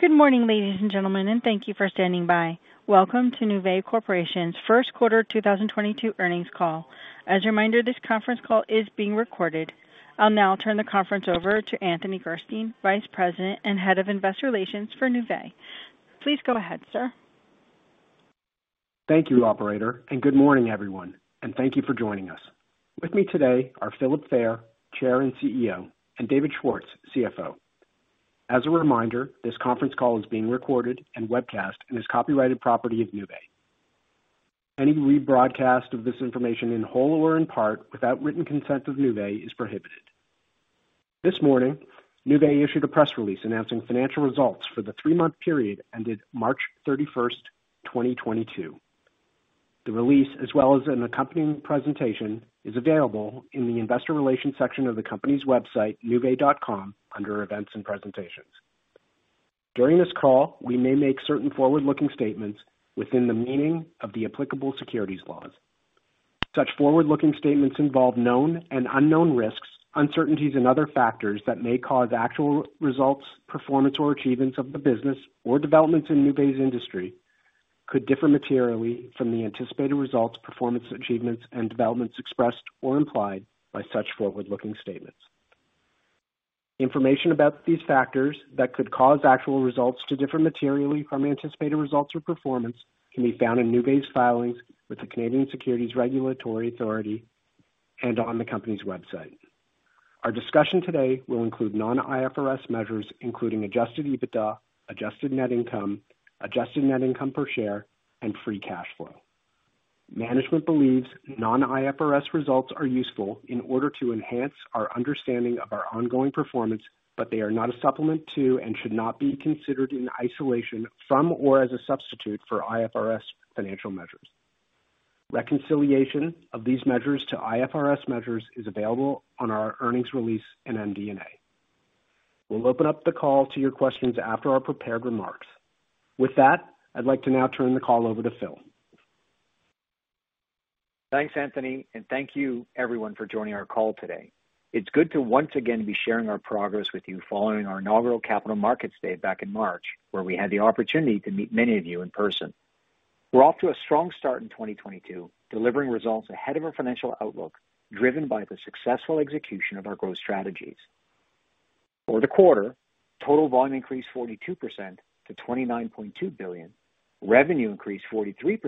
Good morning, ladies and gentlemen, and thank you for standing by. Welcome to Nuvei Corporation's First Quarter 2022 Earnings Call. As a reminder, this conference call is being recorded. I'll now turn the conference over to Anthony Gerstein, Vice President and Head of Investor Relations for Nuvei. Please go ahead, sir. Thank you, operator, and good morning everyone, and thank you for joining us. With me today are Philip Fayer, Chair and CEO, and David Schwartz, CFO. As a reminder, this conference call is being recorded and webcast and is copyrighted property of Nuvei. Any rebroadcast of this information in whole or in part without written consent of Nuvei is prohibited. This morning, Nuvei issued a press release announcing financial results for the three-month period ended March 31st, 2022. The release, as well as an accompanying presentation, is available in the investor relations section of the company's website, nuvei.com, under Events and Presentations. During this call, we may make certain forward-looking statements within the meaning of the applicable securities laws. Such forward-looking statements involve known and unknown risks, uncertainties, and other factors that may cause actual results, performance, or achievements of the business or developments in Nuvei's industry could differ materially from the anticipated results, performance, achievements, and developments expressed or implied by such forward-looking statements. Information about these factors that could cause actual results to differ materially from anticipated results or performance can be found in Nuvei's filings with the Canadian Securities Regulatory Authorities and on the company's website. Our discussion today will include non-IFRS measures, including Adjusted EBITDA, adjusted net income, adjusted net income per share, and free cash flow. Management believes non-IFRS results are useful in order to enhance our understanding of our ongoing performance, but they are not a supplement to and should not be considered in isolation from or as a substitute for IFRS financial measures. Reconciliation of these measures to IFRS measures is available on our earnings release in MD&A. We'll open up the call to your questions after our prepared remarks. With that, I'd like to now turn the call over to Phil. Thanks, Anthony, and thank you everyone for joining our call today. It's good to once again be sharing our progress with you following our inaugural Capital Markets Day back in March, where we had the opportunity to meet many of you in person. We're off to a strong start in 2022, delivering results ahead of our financial outlook, driven by the successful execution of our growth strategies. For the quarter, total volume increased 42% to $29.2 billion. Revenue increased 43%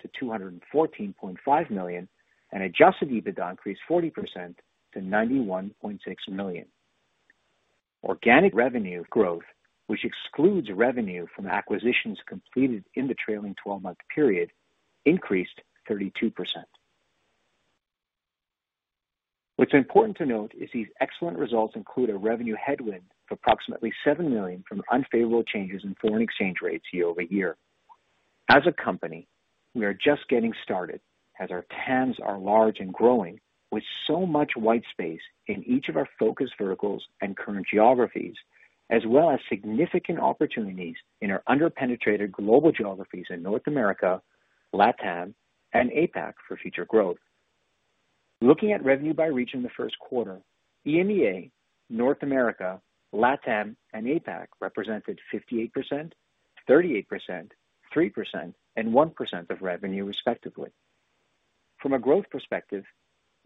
to $214.5 million. Adjusted EBITDA increased 40% to $91.6 million. Organic revenue growth, which excludes revenue from acquisitions completed in the trailing 12-month period, increased 32%. What's important to note is these excellent results include a revenue headwind of approximately $7 million from unfavorable changes in foreign exchange rates year-over-year. As a company, we are just getting started as our TAMs are large and growing with so much white space in each of our focus verticals and current geographies, as well as significant opportunities in our under-penetrated global geographies in North America, LATAM, and APAC for future growth. Looking at revenue by region in the first quarter, EMEA, North America, LATAM, and APAC represented 58%, 38%, 3%, and 1% of revenue, respectively. From a growth perspective,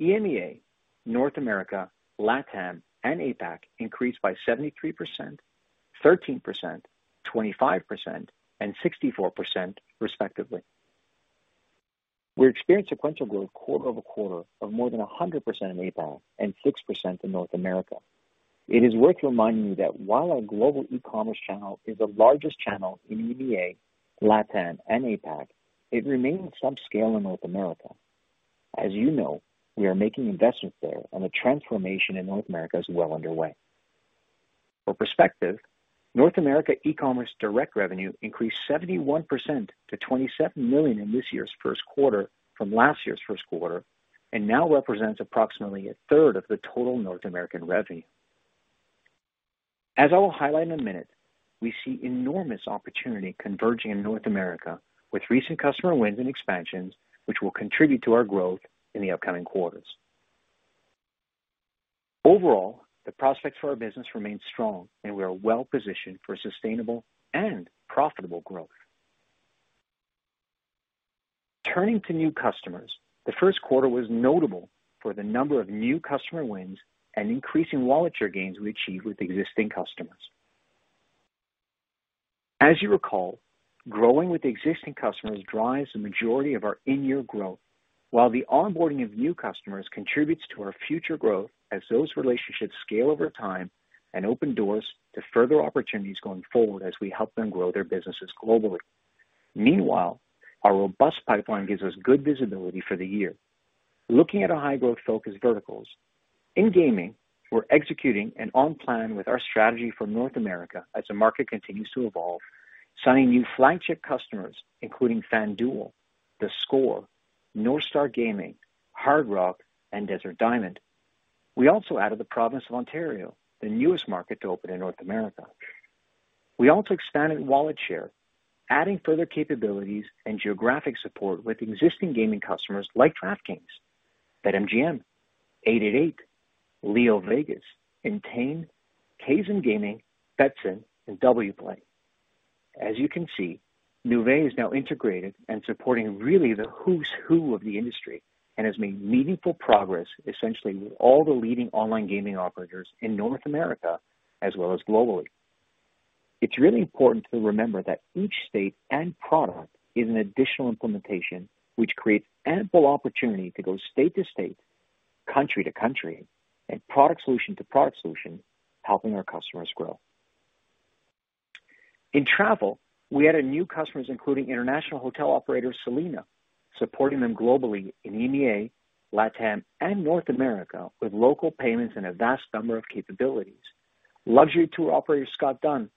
EMEA, North America, LATAM, and APAC increased by 73%, 13%, 25%, and 64%, respectively. We experienced sequential growth quarter-over-quarter of more than 100% in APAC and 6% in North America. It is worth reminding you that while our global e-commerce channel is the largest channel in EMEA, LATAM, and APAC, it remains small scale in North America. As you know, we are making investments there, and the transformation in North America is well underway. For perspective, North America e-commerce direct revenue increased 71% to $27 million in this year's first quarter from last year's first quarter, and now represents approximately a third of the total North American revenue. As I will highlight in a minute, we see enormous opportunity converging in North America with recent customer wins and expansions, which will contribute to our growth in the upcoming quarters. Overall, the prospects for our business remain strong, and we are well positioned for sustainable and profitable growth. Turning to new customers, the first quarter was notable for the number of new customer wins and increasing Wallet Share gains we achieved with existing customers. As you recall, growing with existing customers drives the majority of our in-year growth, while the onboarding of new customers contributes to our future growth as those relationships scale over time and open doors to further opportunities going forward as we help them grow their businesses globally. Meanwhile, our robust pipeline gives us good visibility for the year. Looking at our high-growth focus verticals. In gaming, we're executing and on plan with our strategy for North America as the market continues to evolve, signing new flagship customers including FanDuel, theScore, NorthStar Gaming, Hard Rock, and Desert Diamond. We also added the province of Ontario, the newest market to open in North America. We also expanded Wallet Share, adding further capabilities and geographic support with existing gaming customers like DraftKings, BetMGM, 888, LeoVegas, Entain, Caesars, Betsson, and Wplay. As you can see, Nuvei is now integrated and supporting really the who's who of the industry and has made meaningful progress essentially with all the leading online gaming operators in North America as well as globally. It's really important to remember that each state and product is an additional implementation which creates ample opportunity to go state to state, country to country, and product solution to product solution, helping our customers grow. In travel, we added new customers, including international hotel operator Selina, supporting them globally in EMEA, LATAM, and North America with local payments and a vast number of capabilities, luxury tour operator Scott Dunn,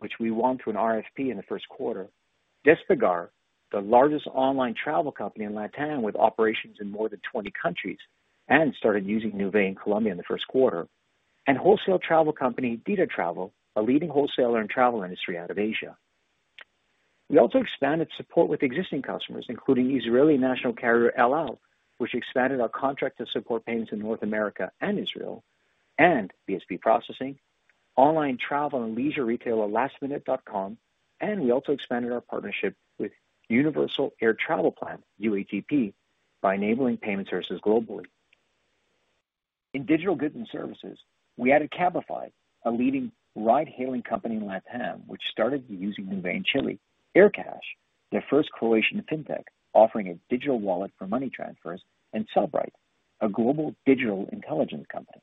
which we won through an RFP in the first quarter, Despegar, the largest online travel company in LATAM with operations in more than 20 countries and started using Nuvei in Colombia in the first quarter. Wholesale travel company DidaTravel, a leading wholesaler in travel industry out of Asia. We also expanded support with existing customers, including Israeli national carrier EL AL, which expanded our contract to support payments in North America and Israel, and BSP processing, online travel and leisure retailer lastminute.com. We also expanded our partnership with Universal Air Travel Plan, UATP, by enabling payment services globally. In digital goods and services, we added Cabify, a leading ride-hailing company in LATAM, which started using Nuvei in Chile. Aircash, their first Croatian fintech, offering a digital wallet for money transfers, and Cellebrite, a global digital intelligence company.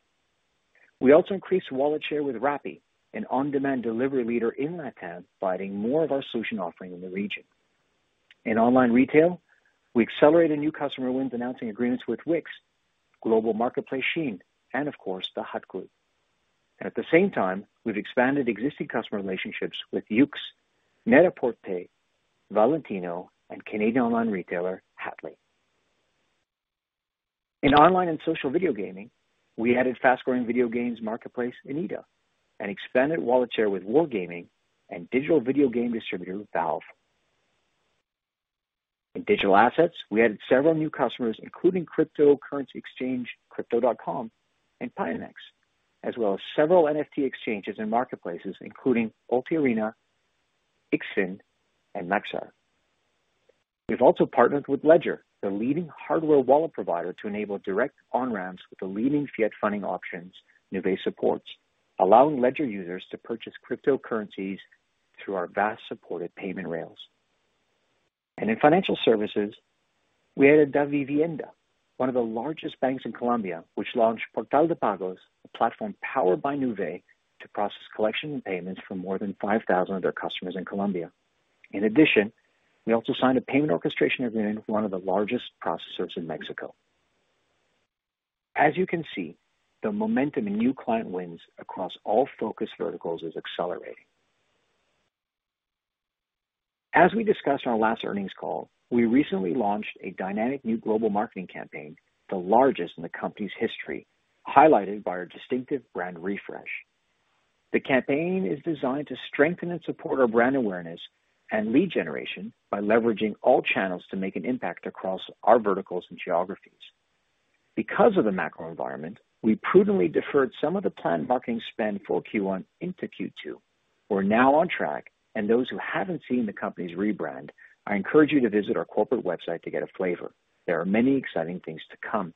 We also increased Wallet Share with Rappi, an on-demand delivery leader in LATAM, providing more of our solution offering in the region. In online retail, we accelerated new customer wins, announcing agreements with Wix, global marketplace SHEIN and of course, The Hut Group. At the same time, we've expanded existing customer relationships with YOOX NET-A-PORTER, Valentino and Canadian online retailer Hatley. In online and social video gaming, we added fast-growing video games marketplace Eneba and expanded Wallet Share with Wargaming and digital video game distributor Valve. In digital assets, we added several new customers, including cryptocurrency exchange Crypto.com and Pionex, as well as several NFT exchanges and marketplaces including Ulti Arena, IXFI, and Nexo. We've also partnered with Ledger, the leading hardware wallet provider, to enable direct on-ramps with the leading fiat funding options Nuvei supports, allowing Ledger users to purchase cryptocurrencies through our vast supported payment rails. In financial services, we added Davivienda, one of the largest banks in Colombia, which launched Portal de Pagos, a platform powered by Nuvei to process collection and payments for more than 5,000 of their customers in Colombia. In addition, we also signed a payment orchestration agreement with one of the largest processors in Mexico. As you can see, the momentum in new client wins across all focus verticals is accelerating. As we discussed in our last earnings call, we recently launched a dynamic new global marketing campaign, the largest in the company's history, highlighted by our distinctive brand refresh. The campaign is designed to strengthen and support our brand awareness and lead generation by leveraging all channels to make an impact across our verticals and geographies. Because of the macro environment, we prudently deferred some of the planned marketing spend for Q1 into Q2. We're now on track, and those who haven't seen the company's rebrand, I encourage you to visit our corporate website to get a flavor. There are many exciting things to come.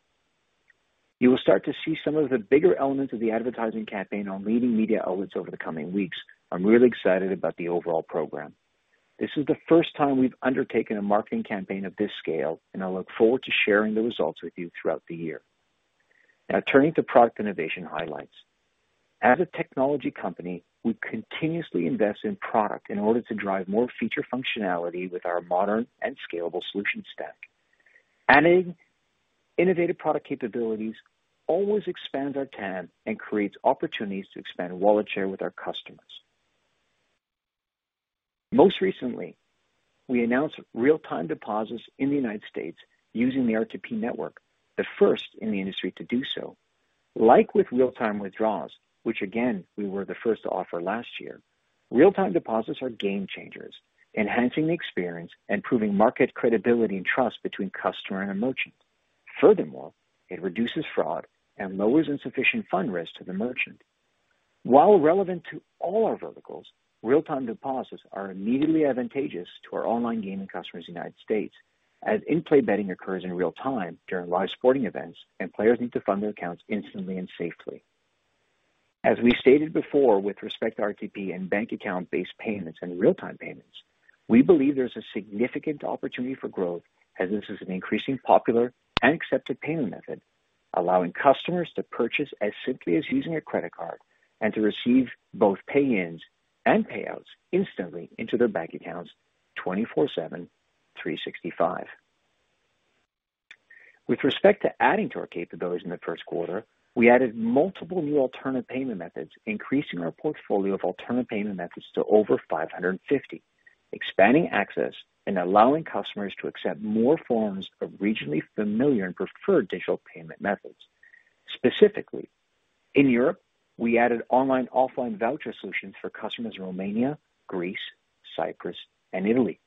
You will start to see some of the bigger elements of the advertising campaign on leading media outlets over the coming weeks. I'm really excited about the overall program. This is the first time we've undertaken a marketing campaign of this scale, and I look forward to sharing the results with you throughout the year. Now turning to product innovation highlights. As a technology company, we continuously invest in product in order to drive more feature functionality with our modern and scalable solution stack. Adding innovative product capabilities always expands our TAM and creates opportunities to expand Wallet Share with our customers. Most recently, we announced real-time deposits in the United States using the RTP network, the first in the industry to do so. Like with real-time withdrawals, which again, we were the first to offer last year, real-time deposits are game changers, enhancing the experience and proving market credibility and trust between customer and merchant. Furthermore, it reduces fraud and lowers insufficient fund risk to the merchant. While relevant to all our verticals, real-time deposits are immediately advantageous to our online gaming customers in the United States as in-play betting occurs in real time during live sporting events, and players need to fund their accounts instantly and safely. As we stated before with respect to RTP and bank account-based payments and Real-Time Payments, we believe there's a significant opportunity for growth as this is an increasingly popular and accepted payment method, allowing customers to purchase as simply as using a credit card and to receive both pay-ins and payouts instantly into their bank accounts 24/7, 365. With respect to adding to our capabilities in the first quarter, we added multiple new Alternative Payment Methods, increasing our portfolio of Alternative Payment Methods to over 550, expanding access and allowing customers to accept more forms of regionally familiar and preferred digital payment methods. Specifically, in Europe, we added online offline voucher solutions for customers in Romania, Greece, Cyprus, and Italy.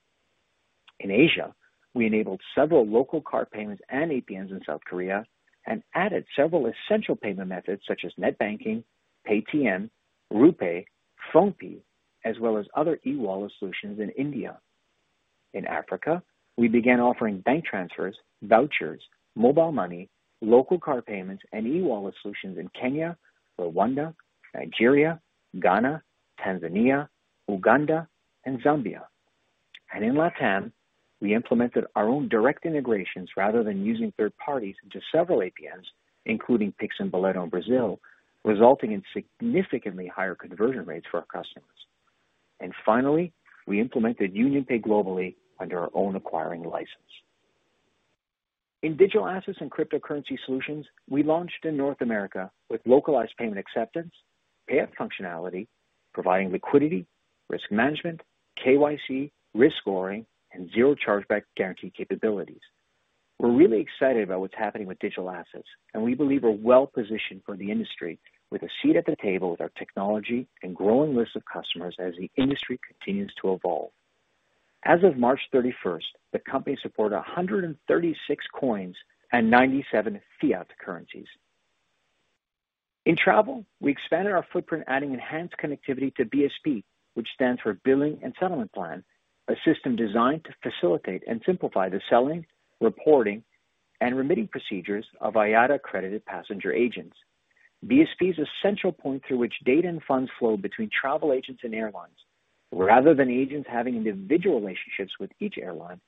In Asia, we enabled several local card payments and APMs in South Korea and added several essential payment methods such as net banking, Paytm, RuPay, PhonePe, as well as other e-wallet solutions in India. In Africa, we began offering bank transfers, vouchers, mobile money, local card payments, and e-wallet solutions in Kenya, Rwanda, Nigeria, Ghana, Tanzania, Uganda, and Zambia. In LATAM, we implemented our own direct integrations rather than using third parties into several APMs, including Pix and Boleto in Brazil, resulting in significantly higher conversion rates for our customers. Finally, we implemented UnionPay globally under our own acquiring license. In digital assets and cryptocurrency solutions, we launched in North America with localized payment acceptance, pay app functionality, providing liquidity, risk management, KYC, risk scoring, and zero chargeback guarantee capabilities. We're really excited about what's happening with digital assets, and we believe we're well-positioned for the industry with a seat at the table with our technology and growing list of customers as the industry continues to evolve. As of March 31st, the company supported 136 coins and 97 fiat currencies. In travel, we expanded our footprint adding enhanced connectivity to BSP, which stands for Billing and Settlement Plan, a system designed to facilitate and simplify the selling, reporting, and remitting procedures of IATA-accredited passenger agents. BSP is a central point through which data and funds flow between travel agents and airlines. Rather than agents having individual relationships with each airline,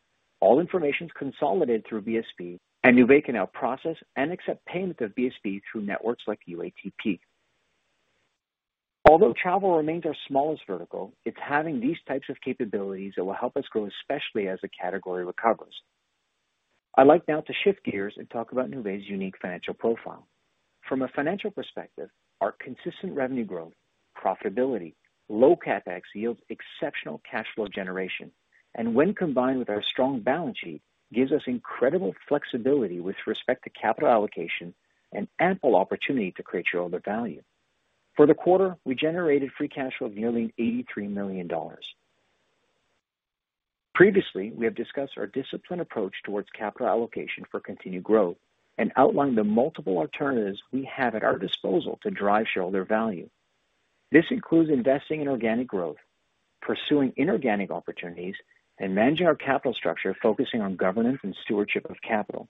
all information is consolidated through BSP and Nuvei can now process and accept payment of BSP through networks like UATP. Although travel remains our smallest vertical, it's having these types of capabilities that will help us grow especially as the category recovers. I'd like now to shift gears and talk about Nuvei's unique financial profile. From a financial perspective, our consistent revenue growth, profitability, low CapEx yields exceptional cash flow generation, and when combined with our strong balance sheet, gives us incredible flexibility with respect to capital allocation and ample opportunity to create shareholder value. For the quarter, we generated free cash flow of nearly $83 million. Previously, we have discussed our disciplined approach towards capital allocation for continued growth and outlined the multiple alternatives we have at our disposal to drive shareholder value. This includes investing in organic growth, pursuing inorganic opportunities, and managing our capital structure, focusing on governance and stewardship of capital.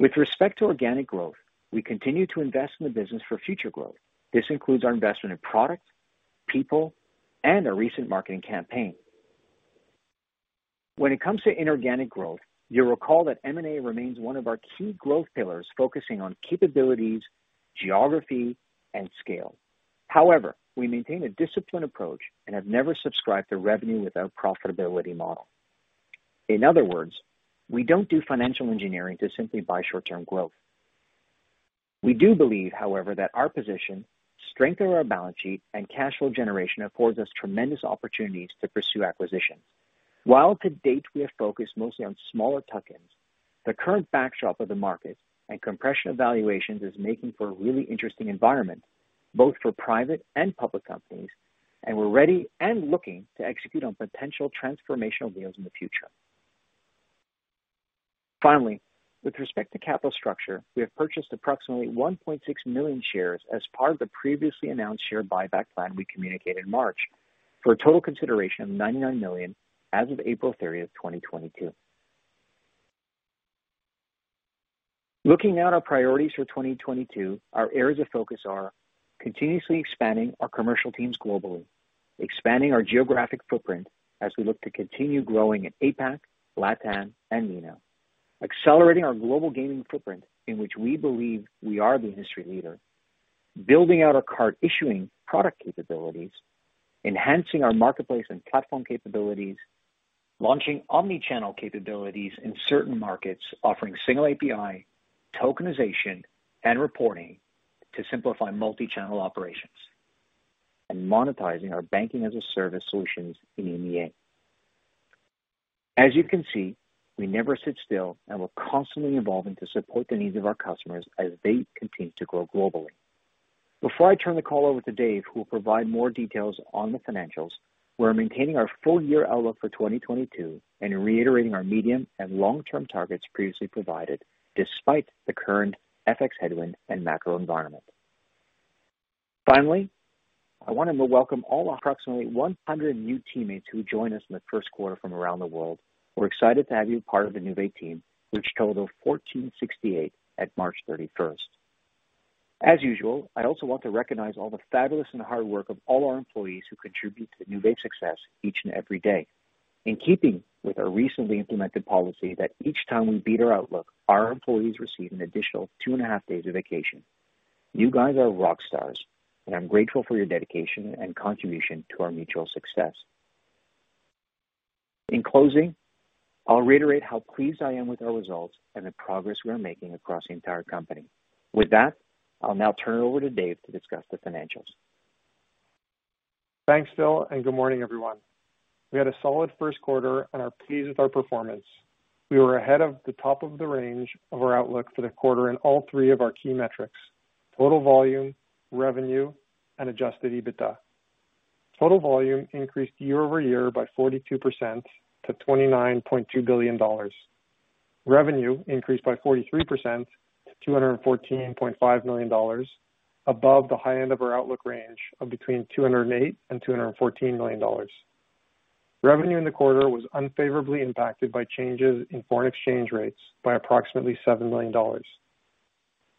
With respect to organic growth, we continue to invest in the business for future growth. This includes our investment in product, people, and our recent marketing campaign. When it comes to inorganic growth, you'll recall that M&A remains one of our key growth pillars, focusing on capabilities, geography, and scale. However, we maintain a disciplined approach and have never subscribed to revenue without profitability model. In other words, we don't do financial engineering to simply buy short-term growth. We do believe, however, that our position, strength of our balance sheet and cash flow generation affords us tremendous opportunities to pursue acquisitions. While to date we have focused mostly on smaller tuck-ins, the current backdrop of the market and compression in valuations is making for a really interesting environment, both for private and public companies, and we're ready and looking to execute on potential transformational deals in the future. Finally, with respect to capital structure, we have purchased approximately 1.6 million shares as part of the previously announced share buyback plan we communicated in March for a total consideration of $99 million as of April 30th, 2022. Looking at our priorities for 2022, our areas of focus are continuously expanding our commercial teams globally, expanding our geographic footprint as we look to continue growing in APAC, LATAM, and MENA, accelerating our global gaming footprint in which we believe we are the industry leader, building out our card issuing product capabilities, enhancing our marketplace and platform capabilities, launching omni-channel capabilities in certain markets, offering single API, tokenization, and reporting to simplify multi-channel operations, and monetizing our Banking-as-a-Service solutions in EMEA. As you can see, we never sit still, and we're constantly evolving to support the needs of our customers as they continue to grow globally. Before I turn the call over to Dave, who will provide more details on the financials, we're maintaining our full-year outlook for 2022 and reiterating our medium and long-term targets previously provided despite the current FX headwind and macro environment. Finally, I wanted to welcome all approximately 100 new teammates who joined us in the first quarter from around the world. We're excited to have you part of the Nuvei team, which totaled 1,468 at March 31st. As usual, I also want to recognize all the fabulous and hard work of all our employees who contribute to the Nuvei success each and every day. In keeping with our recently implemented policy that each time we beat our outlook, our employees receive an additional 2.5 days of vacation. You guys are rock stars, and I'm grateful for your dedication and contribution to our mutual success. In closing, I'll reiterate how pleased I am with our results and the progress we are making across the entire company. With that, I'll now turn it over to Dave to discuss the financials. Thanks, Phil, and good morning, everyone. We had a solid first quarter and are pleased with our performance. We were ahead of the top of the range of our outlook for the quarter in all three of our key metrics: total volume, revenue, and Adjusted EBITDA. Total volume increased year-over-year by 42% to $29.2 billion. Revenue increased by 43% to $214.5 million, above the high end of our outlook range of between $208 million and $214 million. Revenue in the quarter was unfavorably impacted by changes in foreign exchange rates by approximately $7 million.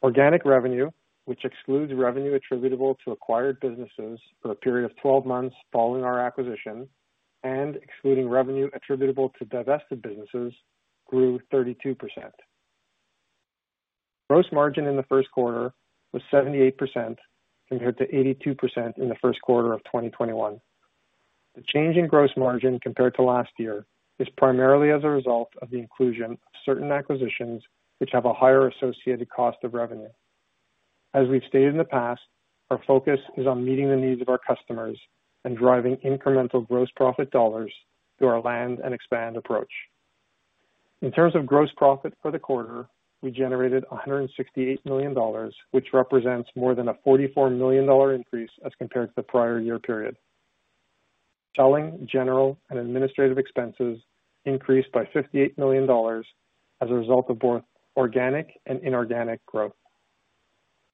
Organic revenue, which excludes revenue attributable to acquired businesses for the period of 12 months following our acquisition and excluding revenue attributable to divested businesses, grew 32%. Gross margin in the first quarter was 78% compared to 82% in the first quarter of 2021. The change in gross margin compared to last year is primarily as a result of the inclusion of certain acquisitions which have a higher associated cost of revenue. As we've stated in the past, our focus is on meeting the needs of our customers and driving incremental gross profit dollars through our land and expand approach. In terms of gross profit for the quarter, we generated $168 million, which represents more than a $44 million increase as compared to the prior-year period. Selling, general and administrative expenses increased by $58 million as a result of both organic and inorganic growth.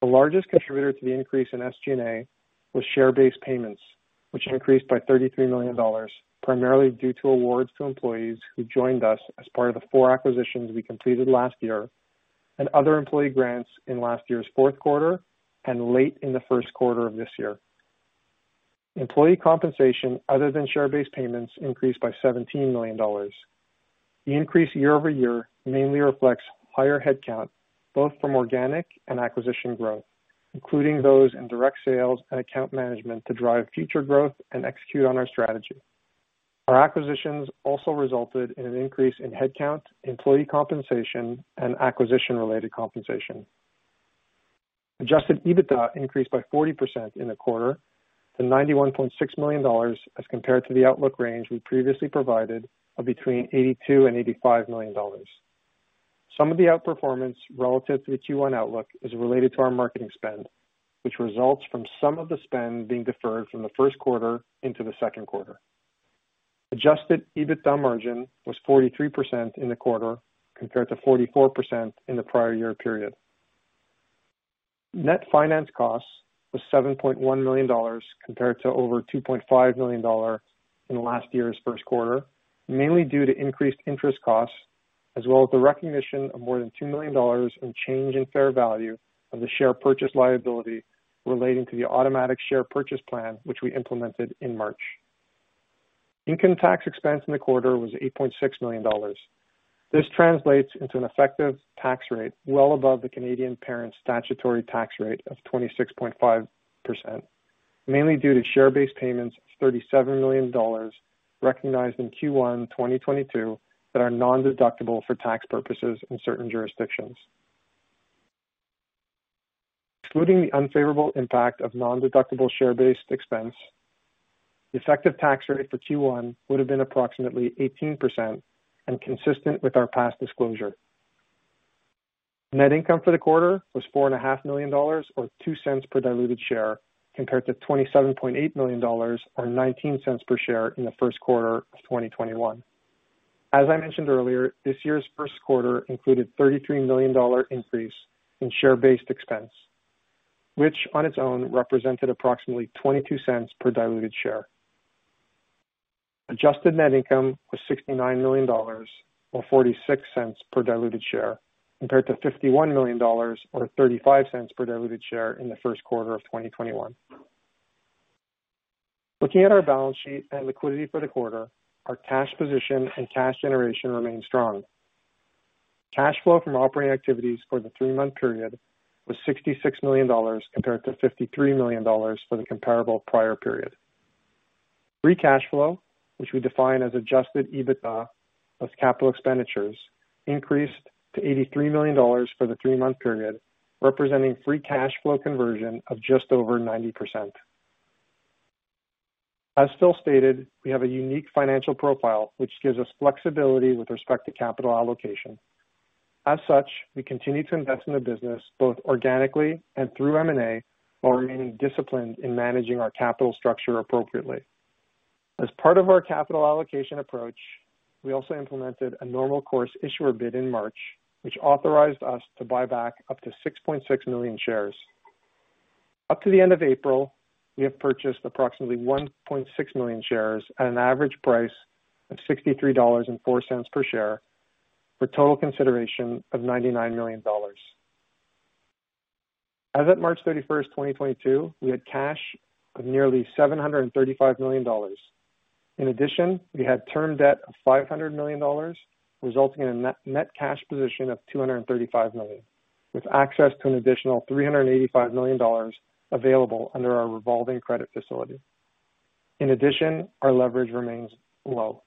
The largest contributor to the increase in SG&A was share-based payments, which increased by $33 million, primarily due to awards to employees who joined us as part of the four acquisitions we completed last year and other employee grants in last year's fourth quarter and late in the first quarter of this year. Employee compensation other than share-based payments increased by $17 million. The increase year-over-year mainly reflects higher headcount, both from organic and acquisition growth, including those in direct sales and account management to drive future growth and execute on our strategy. Our acquisitions also resulted in an increase in headcount, employee compensation, and acquisition-related compensation. Adjusted EBITDA increased by 40% in the quarter to $91.6 million as compared to the outlook range we previously provided of between $82 million to $85 million. Some of the outperformance relative to the Q1 outlook is related to our marketing spend, which results from some of the spend being deferred from the first quarter into the second quarter. Adjusted EBITDA margin was 43% in the quarter, compared to 44% in the prior-year period. Net finance costs was $7.1 million compared to over $2.5 million in last year's first quarter, mainly due to increased interest costs as well as the recognition of more than $2 million in change in fair value of the share purchase liability relating to the automatic share purchase plan, which we implemented in March. Income tax expense in the quarter was $8.6 million. This translates into an effective tax rate well above the Canadian parent statutory tax rate of 26.5%, mainly due to share-based payments of $37 million recognized in Q1 2022 that are non-deductible for tax purposes in certain jurisdictions. Excluding the unfavorable impact of non-deductible share-based expense, the effective tax rate for Q1 would have been approximately 18% and consistent with our past disclosure. Net income for the quarter was $4 and a half million, or $0.02 per diluted share, compared to $27.8 million or $0.19 per share in the first quarter of 2021. As I mentioned earlier, this year's first quarter included $33 million increase in share-based expense, which on its own represented approximately $0.22 per diluted share. Adjusted net income was $69 million or $0.46 per diluted share, compared to $51 million or $0.35 per diluted share in the first quarter of 2021. Looking at our balance sheet and liquidity for the quarter, our cash position and cash generation remain strong. Cash flow from operating activities for the three-month period was $66 million compared to $53 million for the comparable prior period. Free cash flow, which we define as Adjusted EBITDA plus capital expenditures, increased to $83 million for the three-month period, representing free cash flow conversion of just over 90%. As Phil stated, we have a unique financial profile which gives us flexibility with respect to capital allocation. As such, we continue to invest in the business both organically and through M&A, while remaining disciplined in managing our capital structure appropriately. As part of our capital allocation approach, we also implemented a normal course issuer bid in March, which authorized us to buy back up to 6.6 million shares. Up to the end of April, we have purchased approximately 1.6 million shares at an average price of $63.04 per share for total consideration of $99 million. As of March 31st, 2022, we had cash of nearly $735 million. In addition, we had term debt of $500 million, resulting in a net cash position of $235 million, with access to an additional $385 million available under our revolving credit facility. In addition, our leverage remains low.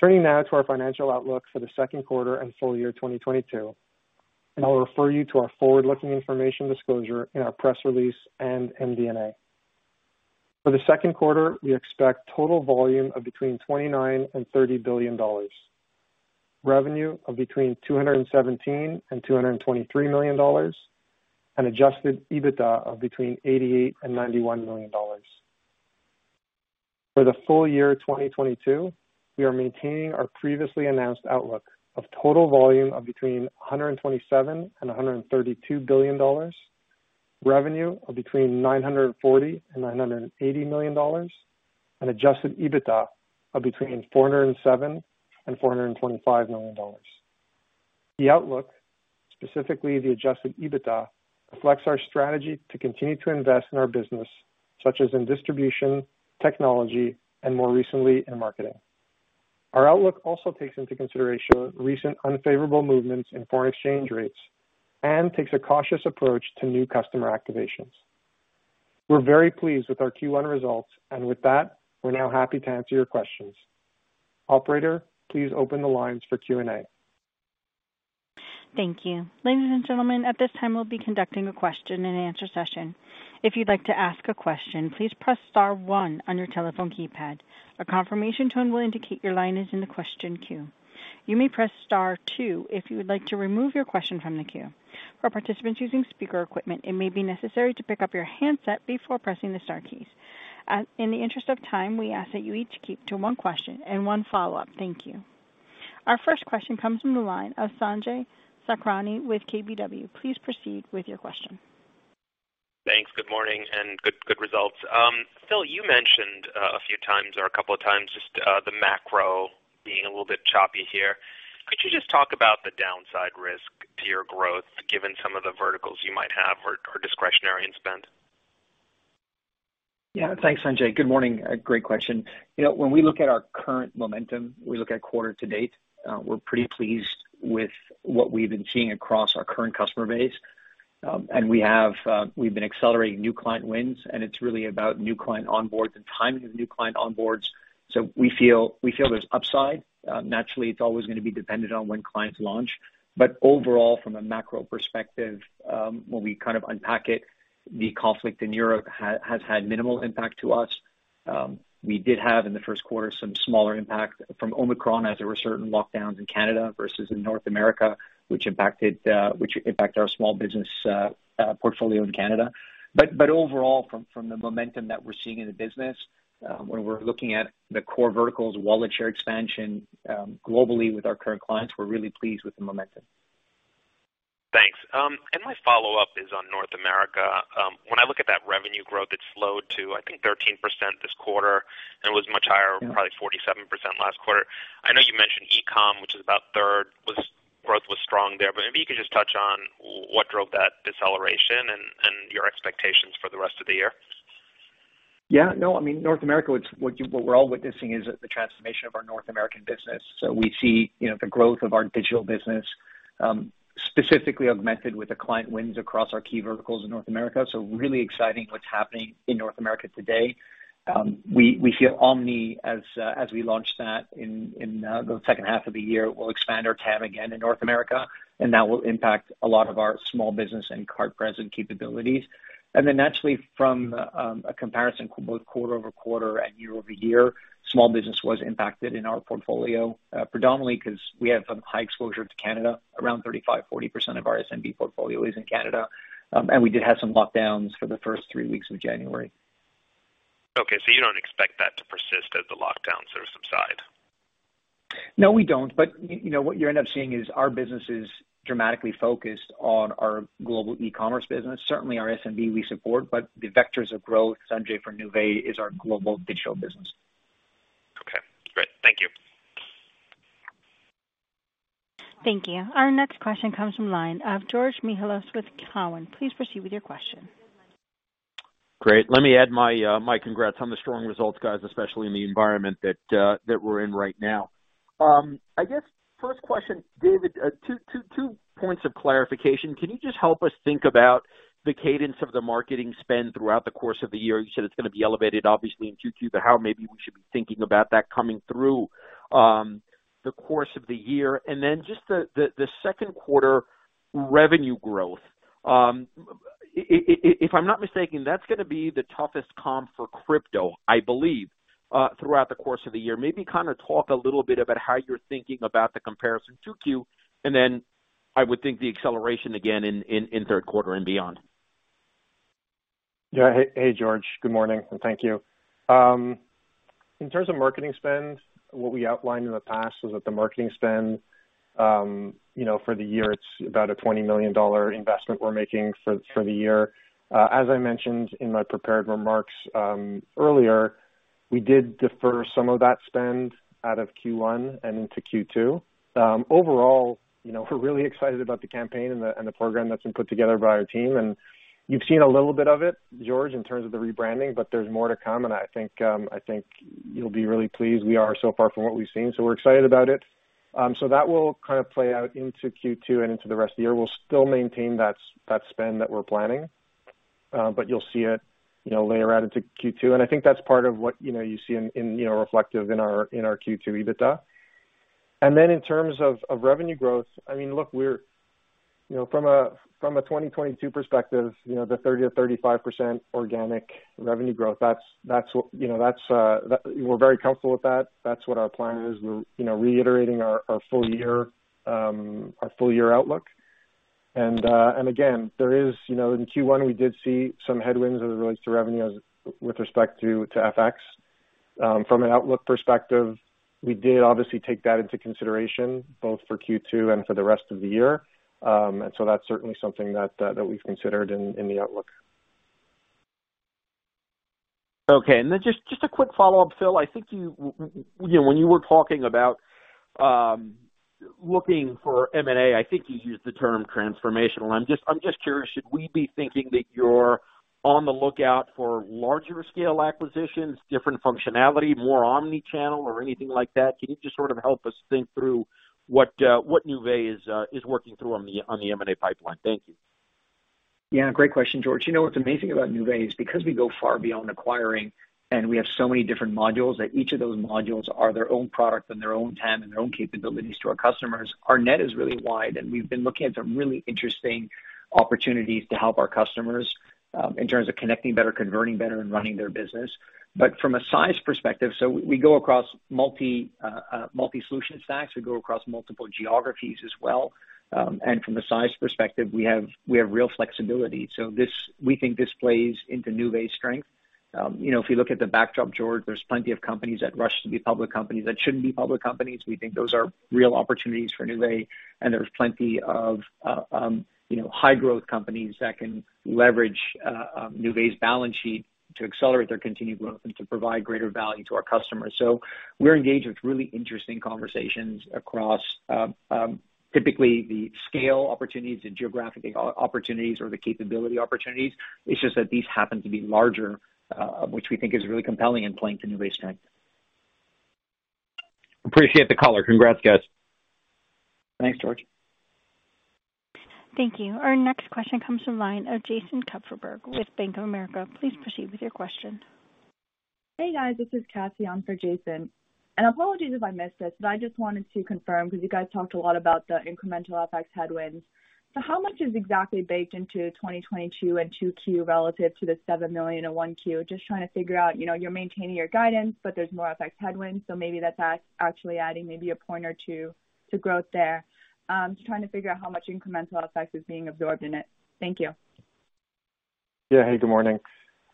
Turning now to our financial outlook for the second quarter and full-year 2022, and I'll refer you to our forward-looking information disclosure in our press release and MD&A. For the second quarter, we expect total volume of between $29 billion and $30 billion, revenue of between $217 million and $223 million, and Adjusted EBITDA of between $88 million and $91 million. For the full-year 2022, we are maintaining our previously announced outlook of total volume of between $127 billion and $132 billion, revenue of between $940 million and $980 million, and Adjusted EBITDA of between $407 million and $425 million. The outlook, specifically the Adjusted EBITDA, reflects our strategy to continue to invest in our business, such as in distribution, technology, and more recently in marketing. Our outlook also takes into consideration recent unfavorable movements in foreign exchange rates and takes a cautious approach to new customer activations. We're very pleased with our Q1 results. With that, we're now happy to answer your questions. Operator, please open the lines for Q&A. Thank you. Ladies and gentlemen, at this time we'll be conducting a question-and-answer session. If you'd like to ask a question, please press star one on your telephone keypad. A confirmation tone will indicate your line is in the question queue. You may press star two if you would like to remove your question from the queue. For participants using speaker equipment, it may be necessary to pick up your handset before pressing the star keys. In the interest of time, we ask that you each keep to one question and one follow-up. Thank you. Our first question comes from the line of Sanjay Sakhrani with KBW. Please proceed with your question. Thanks. Good morning and good results. Phil, you mentioned a few times or a couple of times just the macro being a little bit choppy here. Could you just talk about the downside risk to your growth, given some of the verticals you might have or discretionary in spend? Yeah. Thanks, Sanjay. Good morning. A great question. You know, when we look at our current momentum, we look at quarter to date, we're pretty pleased with what we've been seeing across our current customer base. We have, we've been accelerating new client wins, and it's really about new client onboards and timing of new client onboards. So we feel there's upside. Naturally, it's always gonna be dependent on when clients launch. But overall, from a macro perspective, when we kind of unpack it, the conflict in Europe has had minimal impact to us. We did have in the first quarter some smaller impact from Omicron as there were certain lockdowns in Canada versus in North America, which impacted our small business portfolio in Canada. Overall from the momentum that we're seeing in the business, when we're looking at the core verticals, Wallet Share expansion globally with our current clients, we're really pleased with the momentum. Thanks. My follow-up is on North America. When I look at that revenue growth, it slowed to, I think, 13% this quarter, and it was much higher, probably 47% last quarter. I know you mentioned e-com, which is about a third. Growth was strong there, but maybe you could just touch on what drove that deceleration and your expectations for the rest of the year. Yeah. No, I mean, North America, it's what we're all witnessing is the transformation of our North American business. We see, you know, the growth of our digital business, specifically augmented with the client wins across our key verticals in North America. Really exciting what's happening in North America today. We see Omnichannel as we launch that in the second half of the year. We'll expand our TAM again in North America, and that will impact a lot of our small business and card-present capabilities. Naturally from a comparison both quarter-over-quarter and year-over-year, small business was impacted in our portfolio, predominantly 'cause we have some high exposure to Canada. Around 35% to 40% of our SMB portfolio is in Canada. We did have some lockdowns for the first three weeks of January. Okay. You don't expect that to persist as the lockdowns subside? No, we don't. You know, what you end up seeing is our business is dramatically focused on our global e-commerce business. Certainly our SMB we support, but the vectors of growth, Sanjay, for Nuvei is our global digital business. Okay, great. Thank you. Thank you. Our next question comes from line of George Mihalos with Cowen. Please proceed with your question. Great. Let me add my congrats on the strong results, guys, especially in the environment that we're in right now. I guess first question, David, two points of clarification. Can you just help us think about the cadence of the marketing spend throughout the course of the year? You said it's gonna be elevated obviously in Q2, but how maybe we should be thinking about that coming through the course of the year? Just the second quarter revenue growth. If I'm not mistaken, that's gonna be the toughest comp for crypto, I believe, through the course of the year. Maybe kinda talk a little bit about how you're thinking about the comparison Q2, and then I would think the acceleration again in third quarter and beyond. Yeah. Hey, George. Good morning, and thank you. In terms of marketing spend, what we outlined in the past was that the marketing spend, you know, for the year it's about a $20 million investment we're making for the year. As I mentioned in my prepared remarks earlier, we did defer some of that spend out of Q1 and into Q2. Overall, you know, we're really excited about the campaign and the program that's been put together by our team. You've seen a little bit of it, George, in terms of the rebranding, but there's more to come. I think you'll be really pleased. We are so far from what we've seen, so we're excited about it. That will kind of play out into Q2 and into the rest of the year. We'll still maintain that spend that we're planning. You'll see it, you know, later out into Q2. I think that's part of what, you know, you see in, you know, reflective in our Q2 EBITDA. In terms of revenue growth, I mean, look, you know, from a 2022 perspective, you know, the 30% to 35% organic revenue growth, that's what, you know, we're very comfortable with that. That's what our plan is. We're, you know, reiterating our full-year outlook. Again, there is, you know, in Q1, we did see some headwinds as it relates to revenue as with respect to FX. From an outlook perspective, we did obviously take that into consideration both for Q2 and for the rest of the year. That's certainly something that we've considered in the outlook. Okay. Just a quick follow-up, Phil. I think when you were talking about looking for M&A, I think you used the term transformational. I'm just curious, should we be thinking that you're on the lookout for larger scale acquisitions, different functionality, more omnichannel or anything like that? Can you just sort of help us think through what Nuvei is working through on the M&A pipeline? Thank you. Yeah, great question, George. You know what's amazing about Nuvei is because we go far beyond acquiring, and we have so many different modules, that each of those modules are their own product and their own TAM and their own capabilities to our customers. Our net is really wide, and we've been looking at some really interesting opportunities to help our customers in terms of connecting better, converting better and running their business. From a size perspective, we go across multi-solution stacks. We go across multiple geographies as well. From the size perspective, we have real flexibility. We think this plays into Nuvei's strength. You know, if you look at the backdrop, George, there's plenty of companies that rush to be public companies that shouldn't be public companies. We think those are real opportunities for Nuvei, and there's plenty of, you know, high growth companies that can leverage, Nuvei's balance sheet to accelerate their continued growth and to provide greater value to our customers. We're engaged with really interesting conversations across, typically the scale opportunities, the geographic opportunities or the capability opportunities. It's just that these happen to be larger, which we think is really compelling and playing to Nuvei's strength. Appreciate the color. Congrats, guys. Thanks, George. Thank you. Our next question comes from line of Jason Kupferberg with Bank of America. Please proceed with your question. Hey, guys, this is Cassie. I'm for Jason. Apologies if I missed this, but I just wanted to confirm because you guys talked a lot about the incremental FX headwinds. How much is exactly baked into 2022 and Q2 relative to the $7 million in 1Q? Just trying to figure out, you know, you're maintaining your guidance, but there's more FX headwinds, so maybe that's actually adding maybe a point or two to growth there. Just trying to figure out how much incremental FX is being absorbed in it. Thank you. Yeah. Hey, good morning.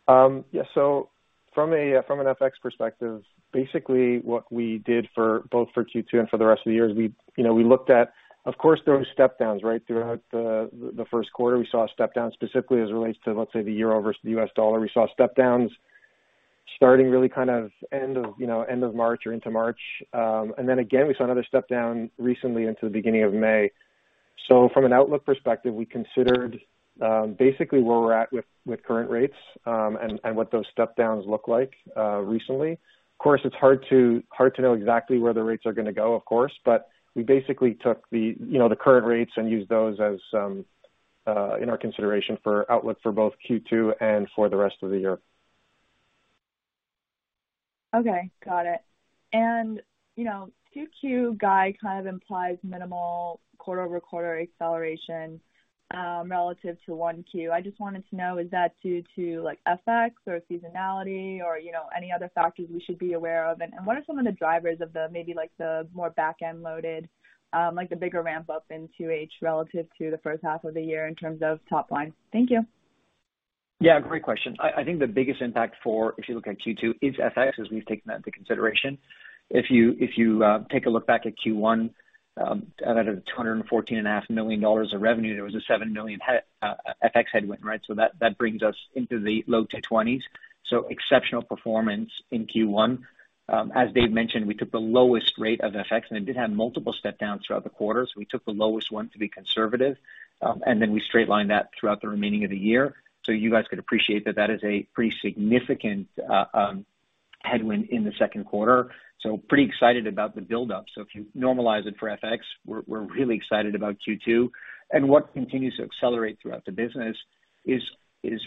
Yeah, so from an FX perspective, basically what we did for both for Q2 and for the rest of the year is we looked at. Of course, there was step downs right throughout the first quarter. We saw a step down specifically as it relates to, let's say, the euro versus the U.S. dollar. We saw step downs starting really kind of end of March or into March. And then again, we saw another step down recently into the beginning of May. From an outlook perspective, we considered basically where we're at with current rates and what those step downs look like recently. Of course, it's hard to know exactly where the rates are gonna go, of course, but we basically took the, you know, the current rates and used those as in our consideration for outlook for both Q2 and for the rest of the year. Okay, got it. You know, Q2 guide kind of implies minimal quarter-over-quarter acceleration, relative to Q1. I just wanted to know, is that due to, like, FX or seasonality or, you know, any other factors we should be aware of? What are some of the drivers of the maybe like the more back-end loaded, like the bigger ramp up in H2 relative to the first half of the year in terms of top line? Thank you. Yeah, great question. I think the biggest impact, if you look at Q2, is FX, as we've taken that into consideration. If you take a look back at Q1, out of the $214.5 million of revenue, there was a $7 million FX headwind, right? That brings us into the low 20s. Exceptional performance in Q1. As Dave mentioned, we took the lowest rate of FX, and it did have multiple step downs throughout the quarter. We took the lowest one to be conservative, and then we straight-lined that throughout the remaining of the year. You guys could appreciate that is a pretty significant headwind in the second quarter. Pretty excited about the buildup. If you normalize it for FX, we're really excited about Q2. What continues to accelerate throughout the business is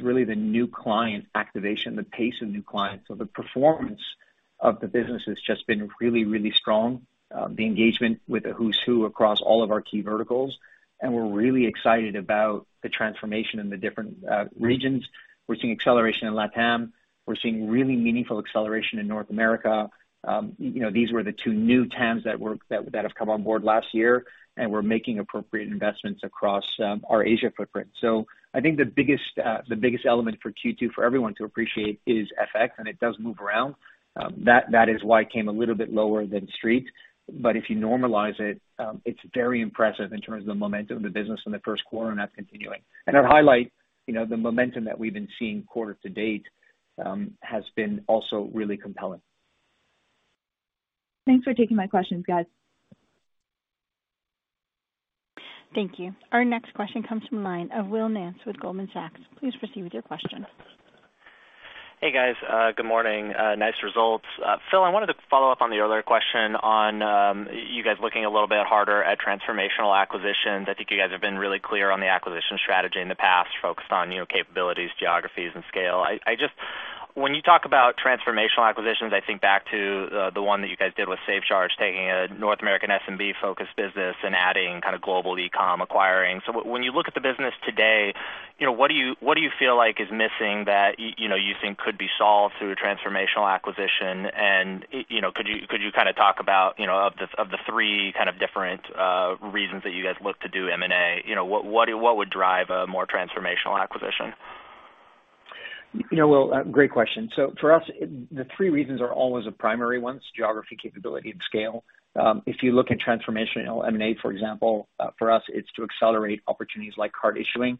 really the new client activation, the pace of new clients. The performance of the business has just been really strong. The engagement with the who's who across all of our key verticals, and we're really excited about the transformation in the different regions. We're seeing acceleration in LATAM. We're seeing really meaningful acceleration in North America. You know, these were the two new TAMs that have come on board last year, and we're making appropriate investments across our Asia footprint. I think the biggest element for Q2 for everyone to appreciate is FX, and it does move around. That is why it came a little bit lower than street. If you normalize it's very impressive in terms of the momentum of the business in the first quarter and that continuing. I'd highlight, you know, the momentum that we've been seeing quarter to date has been also really compelling. Thanks for taking my questions, guys. Thank you. Our next question comes from the line of Will Nance with Goldman Sachs. Please proceed with your question. Hey guys, good morning. Nice results. Phil, I wanted to follow up on the earlier question on you guys looking a little bit harder at transformational acquisitions. I think you guys have been really clear on the acquisition strategy in the past, focused on, you know, capabilities, geographies and scale. When you talk about transformational acquisitions, I think back to the one that you guys did with SafeCharge, taking a North American SMB-focused business and adding kind of global e-com acquiring. So when you look at the business today, you know, what do you feel like is missing that you know, you think could be solved through a transformational acquisition? You know, could you kinda talk about, you know, of the three kind of different reasons that you guys look to do M&A? You know, what would drive a more transformational acquisition? You know, Will, great question. For us, the three reasons are always the primary ones: geography, capability and scale. If you look at transformational M&A, for example, for us, it's to accelerate opportunities like card issuing.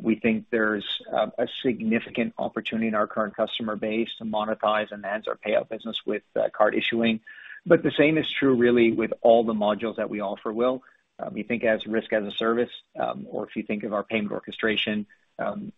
We think there's a significant opportunity in our current customer base to monetize and enhance our payout business with card issuing. The same is true really with all the modules that we offer, Will. If you think as risk as a service, or if you think of our payment orchestration,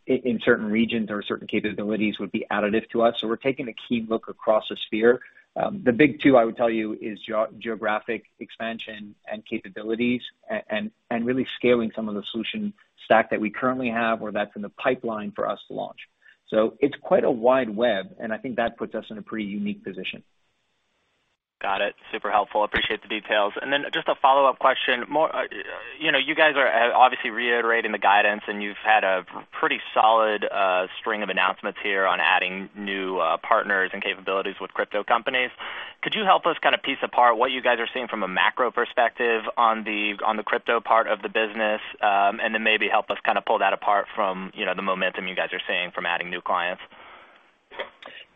in certain regions or certain capabilities would be additive to us. We're taking a keen look across the sphere. The big two I would tell you is geographic expansion and capabilities and really scaling some of the solution stack that we currently have or that's in the pipeline for us to launch. It's quite a wide web, and I think that puts us in a pretty unique position. Got it. Super helpful. Appreciate the details. Just a follow-up question. You know, you guys are obviously reiterating the guidance, and you've had a pretty solid string of announcements here on adding new partners and capabilities with crypto companies. Could you help us kinda piece apart what you guys are seeing from a macro perspective on the crypto part of the business? Maybe help us kinda pull that apart from, you know, the momentum you guys are seeing from adding new clients.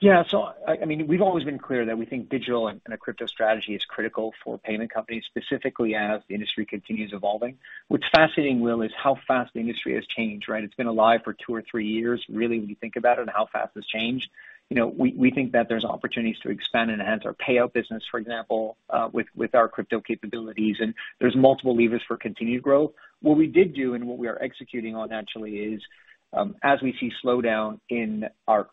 Yeah. I mean, we've always been clear that we think digital and a crypto strategy is critical for payment companies specifically as the industry continues evolving. What's fascinating, Will, is how fast the industry has changed, right? It's been alive for two or three years. Really, when you think about it, how fast it's changed. You know, we think that there's opportunities to expand and enhance our payout business, for example, with our crypto capabilities, and there's multiple levers for continued growth. What we did do and what we are executing on actually is, as we see slowdown in our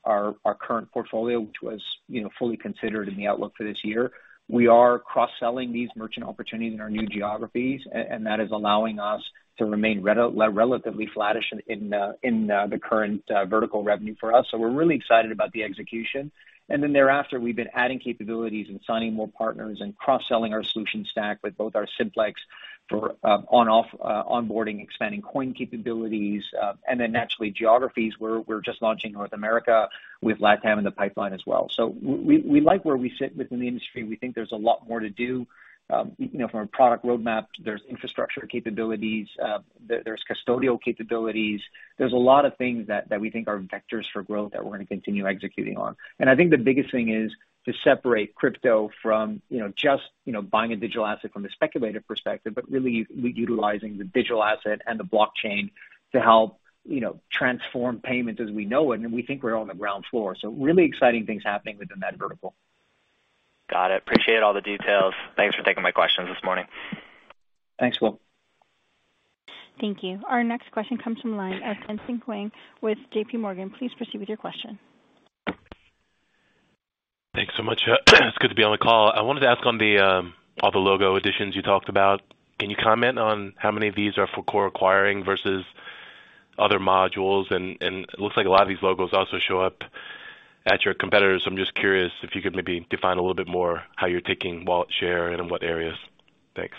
current portfolio, which was, you know, fully considered in the outlook for this year, we are cross-selling these merchant opportunities in our new geographies and that is allowing us to remain relatively flattish in the current vertical revenue for us. We're really excited about the execution. Thereafter, we've been adding capabilities and signing more partners and cross-selling our solution stack with both our Simplex for on-ramp/off-ramp onboarding, expanding crypto capabilities, and then naturally geographies where we're just launching North America with LATAM in the pipeline as well. We like where we sit within the industry. We think there's a lot more to do. You know, from a product roadmap, there's infrastructure capabilities, there's custodial capabilities. There's a lot of things that we think are vectors for growth that we're gonna continue executing on. I think the biggest thing is to separate crypto from, you know, just, you know, buying a digital asset from the speculative perspective, but really utilizing the digital asset and the blockchain to help, you know, transform payments as we know it, and we think we're on the ground floor. Really exciting things happening within that vertical. Got it. Appreciate all the details. Thanks for taking my questions this morning. Thanks, Will. Thank you. Our next question comes from the line of Tien-Tsin Huang with J.P. Morgan. Please proceed with your question. Thanks so much. It's good to be on the call. I wanted to ask on the all the logo additions you talked about, can you comment on how many of these are for core acquiring versus other modules? It looks like a lot of these logos also show up at your competitors. I'm just curious if you could maybe define a little bit more how you're taking Wallet Share and in what areas. Thanks.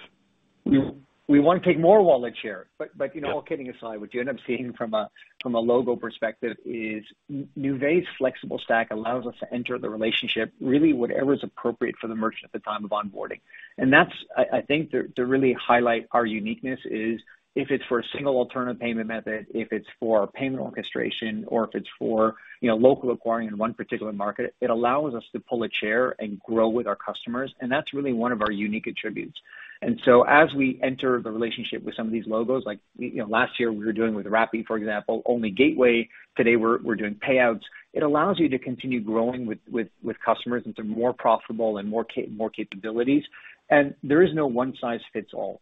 We wanna take more Wallet Share. You know, all kidding aside, what you end up seeing from a logo perspective is Nuvei's flexible stack allows us to enter the relationship really whatever is appropriate for the merchant at the time of onboarding. That's I think to really highlight our uniqueness is if it's for a single Alternative Payment Method, if it's for payment orchestration or if it's for, you know, Local-Acquiring in one particular market, it allows us to pull a chair and grow with our customers, and that's really one of our unique attributes. As we enter the relationship with some of these logos, like, you know, last year we were doing with Rappi, for example, only gateway. Today we're doing payouts. It allows you to continue growing with customers into more profitable and more capabilities. There is no one size fits all.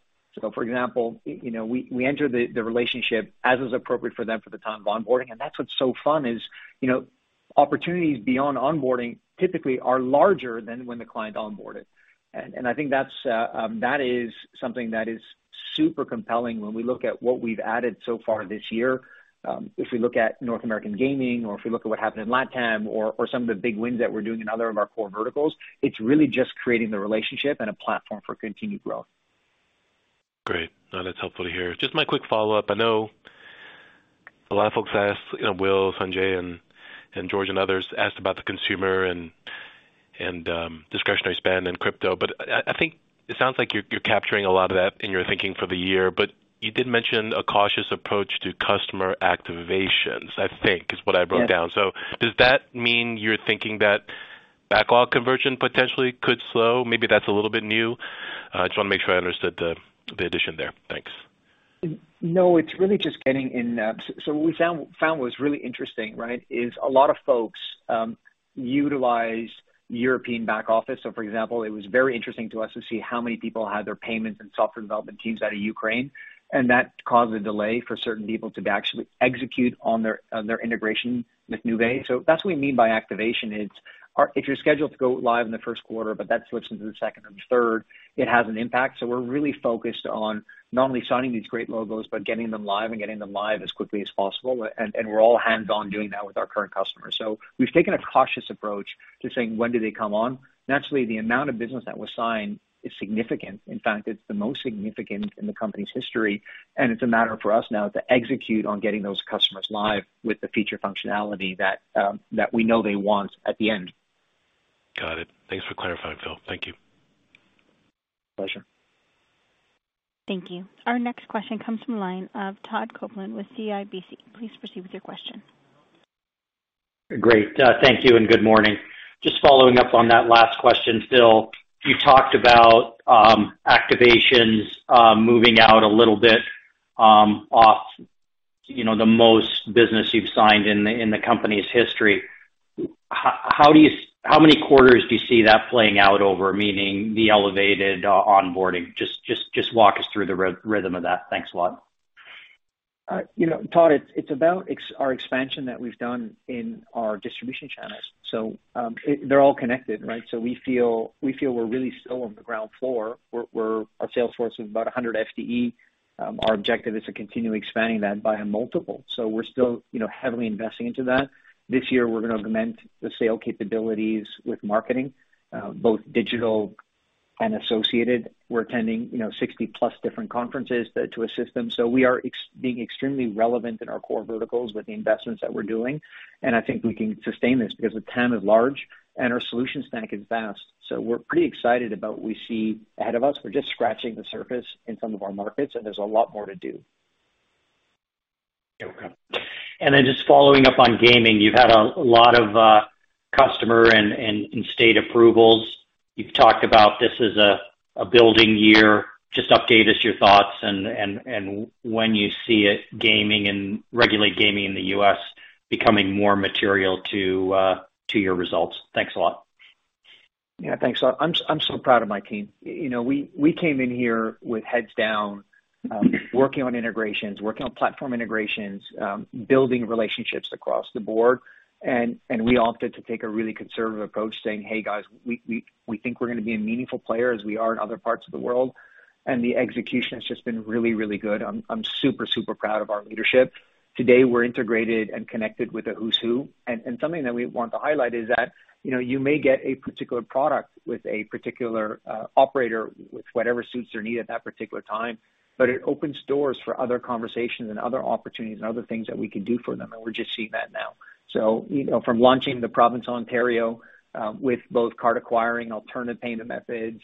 For example, you know, we enter the relationship as is appropriate for them for the time of onboarding. That's what's so fun is, you know, opportunities beyond onboarding typically are larger than when the client onboarded. I think that's that is something that is super compelling when we look at what we've added so far this year. If we look at North American gaming or if we look at what happened in LATAM or some of the big wins that we're doing in other of our core verticals, it's really just creating the relationship and a platform for continued growth. Great. No, that's helpful to hear. Just my quick follow-up. I know a lot of folks asked, you know, Will, Sanjay and discretionary spend and crypto, but I think it sounds like you're capturing a lot of that in your thinking for the year. You did mention a cautious approach to customer activations, I think is what I broke down. Does that mean you're thinking that backlog conversion potentially could slow? Maybe that's a little bit new. I just wanna make sure I understood the addition there. Thanks. No, it's really just getting in. What we found was really interesting, right? A lot of folks utilize European back office. For example, it was very interesting to us to see how many people had their payments and software development teams out of Ukraine, and that caused a delay for certain people to actually execute on their integration with Nuvei. That's what we mean by activation. If you're scheduled to go live in the first quarter, but that switches to the second and third, it has an impact. We're really focused on not only signing these great logos, but getting them live as quickly as possible. We're all hands-on doing that with our current customers. We've taken a cautious approach to saying, when do they come on? Naturally, the amount of business that was signed is significant. In fact, it's the most significant in the company's history, and it's a matter for us now to execute on getting those customers live with the feature functionality that we know they want at the end. Got it. Thanks for clarifying, Phil. Thank you. Pleasure. Thank you. Our next question comes from the line of Todd Coupland with CIBC. Please proceed with your question. Great. Thank you and good morning. Just following up on that last question, Philip. You talked about activations moving out a little bit, off, you know, the most business you've signed in the company's history. How many quarters do you see that playing out over, meaning the elevated onboarding? Just walk us through the rhythm of that. Thanks a lot. You know, Todd, it's about our expansion that we've done in our distribution channels. They're all connected, right? We feel we're really still on the ground floor. Our sales force is about 100 FTE. Our objective is to continue expanding that by a multiple. We're still, you know, heavily investing into that. This year we're gonna augment the sales capabilities with marketing, both digital and associated. We're attending, you know, 60+ different conferences to assist them. We are being extremely relevant in our core verticals with the investments that we're doing, and I think we can sustain this because the TAM is large and our solution stack is vast. We're pretty excited about what we see ahead of us. We're just scratching the surface in some of our markets and there's a lot more to do. Okay. Just following up on gaming, you've had a lot of customer and state approvals. You've talked about this as a building year. Just update us on your thoughts and when you see the gaming and regulated gaming in the U.S. becoming more material to your results. Thanks a lot. Yeah, thanks. I'm so proud of my team. You know, we came in here with heads down, working on integrations, working on platform integrations, building relationships across the board. We opted to take a really conservative approach saying, "Hey guys, we think we're gonna be a meaningful player as we are in other parts of the world." The execution has just been really good. I'm super proud of our leadership. Today, we're integrated and connected with the who's who, something that we want to highlight is that, you know, you may get a particular product with a particular operator with whatever suits their need at that particular time, but it opens doors for other conversations and other opportunities and other things that we can do for them, and we're just seeing that now. You know, from launching the province of Ontario with both Card Acquiring, Alternative Payment Methods,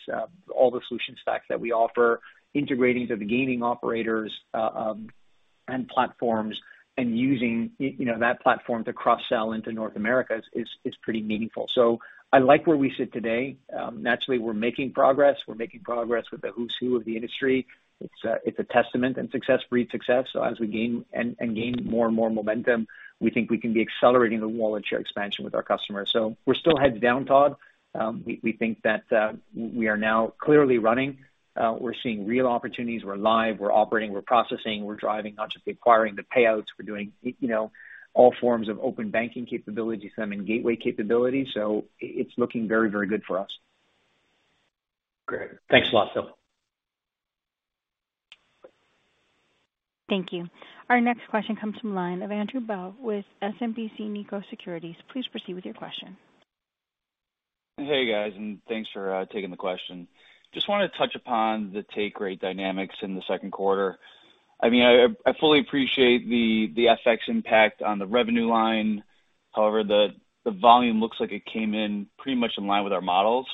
all the solution stacks that we offer, integrating to the gaming operators and platforms and using you know, that platform to cross-sell into North America is pretty meaningful. I like where we sit today. Naturally, we're making progress. We're making progress with the who's who of the industry. It's a testament and success breeds success. As we gain and gain more and more momentum, we think we can be accelerating the Wallet Share expansion with our customers. We're still heads down, Todd. We think that we are now clearly running. We're seeing real opportunities. We're live, we're operating, we're processing, we're driving, not just acquiring the payouts. We're doing, you know, all forms of open banking capabilities, I mean, gateway capabilities. It's looking very, very good for us. Great. Thanks a lot, Phil. Thank you. Our next question comes from line of Andrew Bell with SMBC Nikko Securities. Please proceed with your question. Hey guys, thanks for taking the question. Just wanna touch upon the take rate dynamics in the second quarter. I mean, I fully appreciate the FX impact on the revenue line. However, the volume looks like it came in pretty much in line with our model.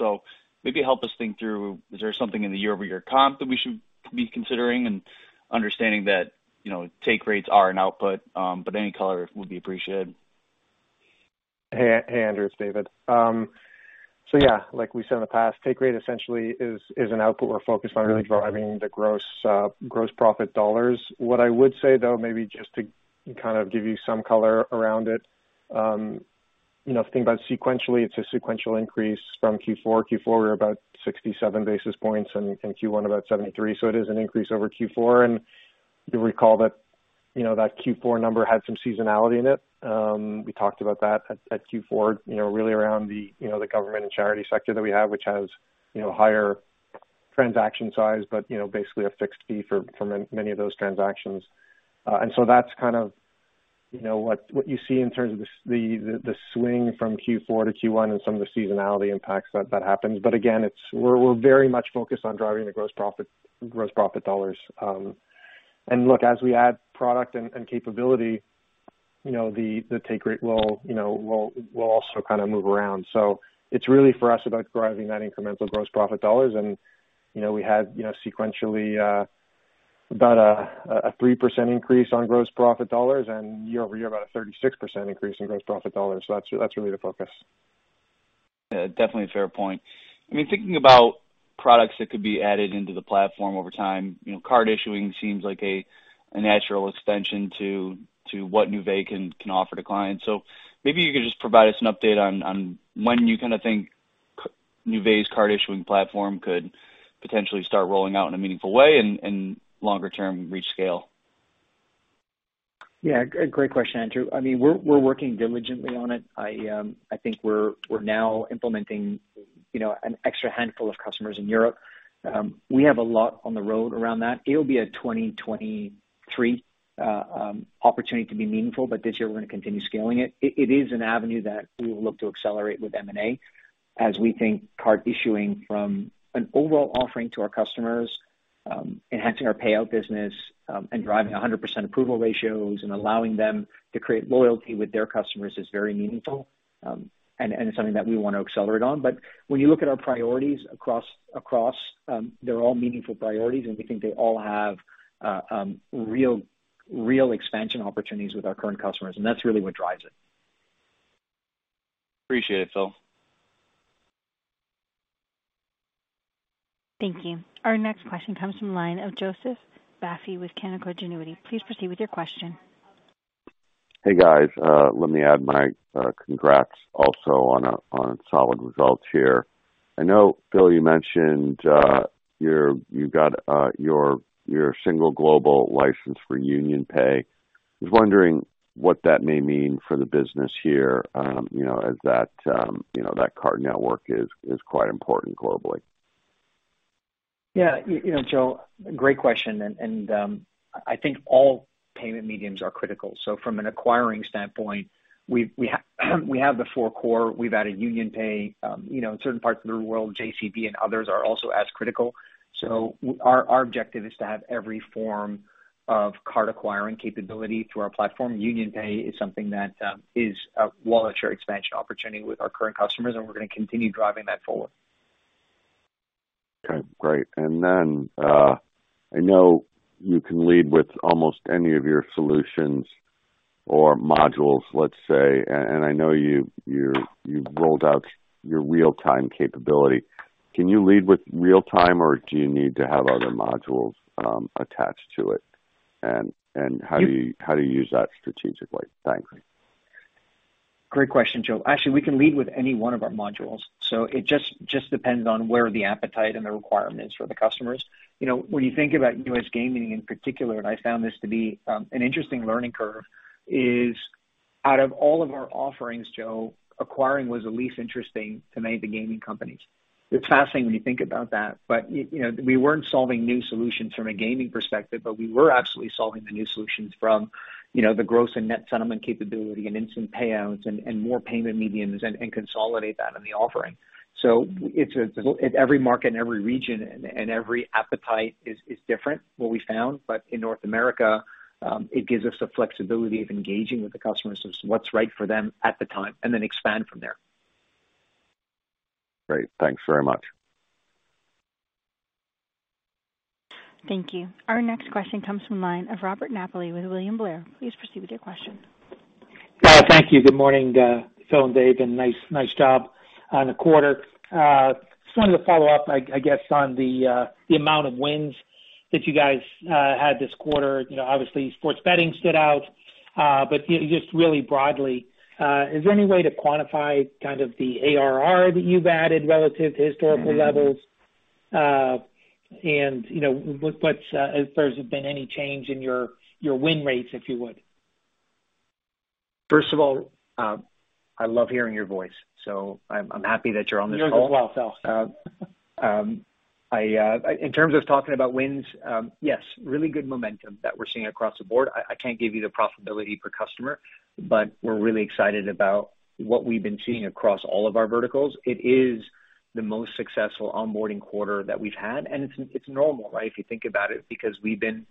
Maybe help us think through, is there something in the year-over-year comp that we should be considering and understanding that, you know, take rates are an output, but any color would be appreciated. Hey, Andrew, it's David. So yeah, like we said in the past, take rate essentially is an output we're focused on really driving the gross profit dollars. What I would say though, maybe just to kind of give you some color around it, you know, think about sequentially, it's a sequential increase from Q4. Q4 we were about 67 basis points and in Q1 about 73. So it is an increase over Q4. You'll recall that, you know, that Q4 number had some seasonality in it. We talked about that at Q4, you know, really around the, you know, the government and charity sector that we have, which has, you know, higher transaction size, but you know, basically a fixed fee for many of those transactions. That's kind of, you know, what you see in terms of the swing from Q4 to Q1 and some of the seasonality impacts that happens. But again, we're very much focused on driving the gross profit dollars. Look, as we add product and capability, you know, the take rate will also kind of move around. It's really for us about driving that incremental gross profit dollars. You know, we had, you know, sequentially about a 3% increase on gross profit dollars and year-over-year about a 36% increase in gross profit dollars. That's really the focus. Definitely a fair point. I mean, thinking about products that could be added into the platform over time, you know, card issuing seems like a natural extension to what Nuvei can offer to clients. Maybe you could just provide us an update on when you kinda think Nuvei's card issuing platform could potentially start rolling out in a meaningful way and longer term reach scale. Yeah. Great question, Andrew. I mean, we're working diligently on it. I think we're now implementing, you know, an extra handful of customers in Europe. We have a lot on the road around that. It'll be a 2023 opportunity to be meaningful, but this year we're gonna continue scaling it. It is an avenue that we will look to accelerate with M&A as we think card issuing from an overall offering to our customers, enhancing our payout business, and driving 100% approval ratios and allowing them to create loyalty with their customers is very meaningful. And something that we wanna accelerate on. When you look at our priorities across, they're all meaningful priorities, and we think they all have real expansion opportunities with our current customers, and that's really what drives it. Appreciate it, Phil. Thank you. Our next question comes from line of Joseph Vafi with Canaccord Genuity. Please proceed with your question. Hey, guys. Let me add my congrats also on solid results here. I know, Phil, you mentioned your single global license for UnionPay. I was wondering what that may mean for the business here. You know, as that card network is quite important globally. You know, Joe, great question. I think all payment mediums are critical. From an acquiring standpoint, we have the four core. We've added UnionPay. In certain parts of the world, JCB and others are also as critical. Our objective is to have every form of Card Acquiring capability through our platform. UnionPay is something that is a Wallet Share expansion opportunity with our current customers, and we're gonna continue driving that forward. Okay. Great. I know you can lead with almost any of your solutions or modules, let's say. I know you've rolled out your real-time capability. Can you lead with real time, or do you need to have other modules attached to it? How do you use that strategically? Thanks. Great question, Joe. Actually, we can lead with any one of our modules, so it just depends on where the appetite and the requirement is for the customers. You know, when you think about US gaming in particular, and I found this to be an interesting learning curve, is out of all of our offerings, Joe, acquiring was the least interesting to many of the gaming companies. It's fascinating when you think about that. You know, we weren't solving new solutions from a gaming perspective, but we were absolutely solving the new solutions from, you know, the Gross and Net Settlement capability and instant payouts and more payment mediums and consolidate that in the offering. It's every market and every region and every appetite is different, what we found. In North America, it gives us the flexibility of engaging with the customers of what's right for them at the time and then expand from there. Great. Thanks very much. Thank you. Our next question comes from line of Robert Napoli with William Blair. Please proceed with your question. Thank you. Good morning, Philip and David, and nice job on the quarter. Just wanted to follow up, I guess, on the amount of wins that you guys had this quarter. You know, obviously sports betting stood out. You know, just really broadly, is there any way to quantify kind of the ARR that you've added relative to historical levels? And, you know, what's, if there's been any change in your win rates, if you would. First of all, I love hearing your voice, so I'm happy that you're on this call. Yours as well, Philip. In terms of talking about wins, yes, really good momentum that we're seeing across the board. I can't give you the profitability per customer, but we're really excited about what we've been seeing across all of our verticals. It is the most successful onboarding quarter that we've had, and it's normal, right? If you think about it, because we've been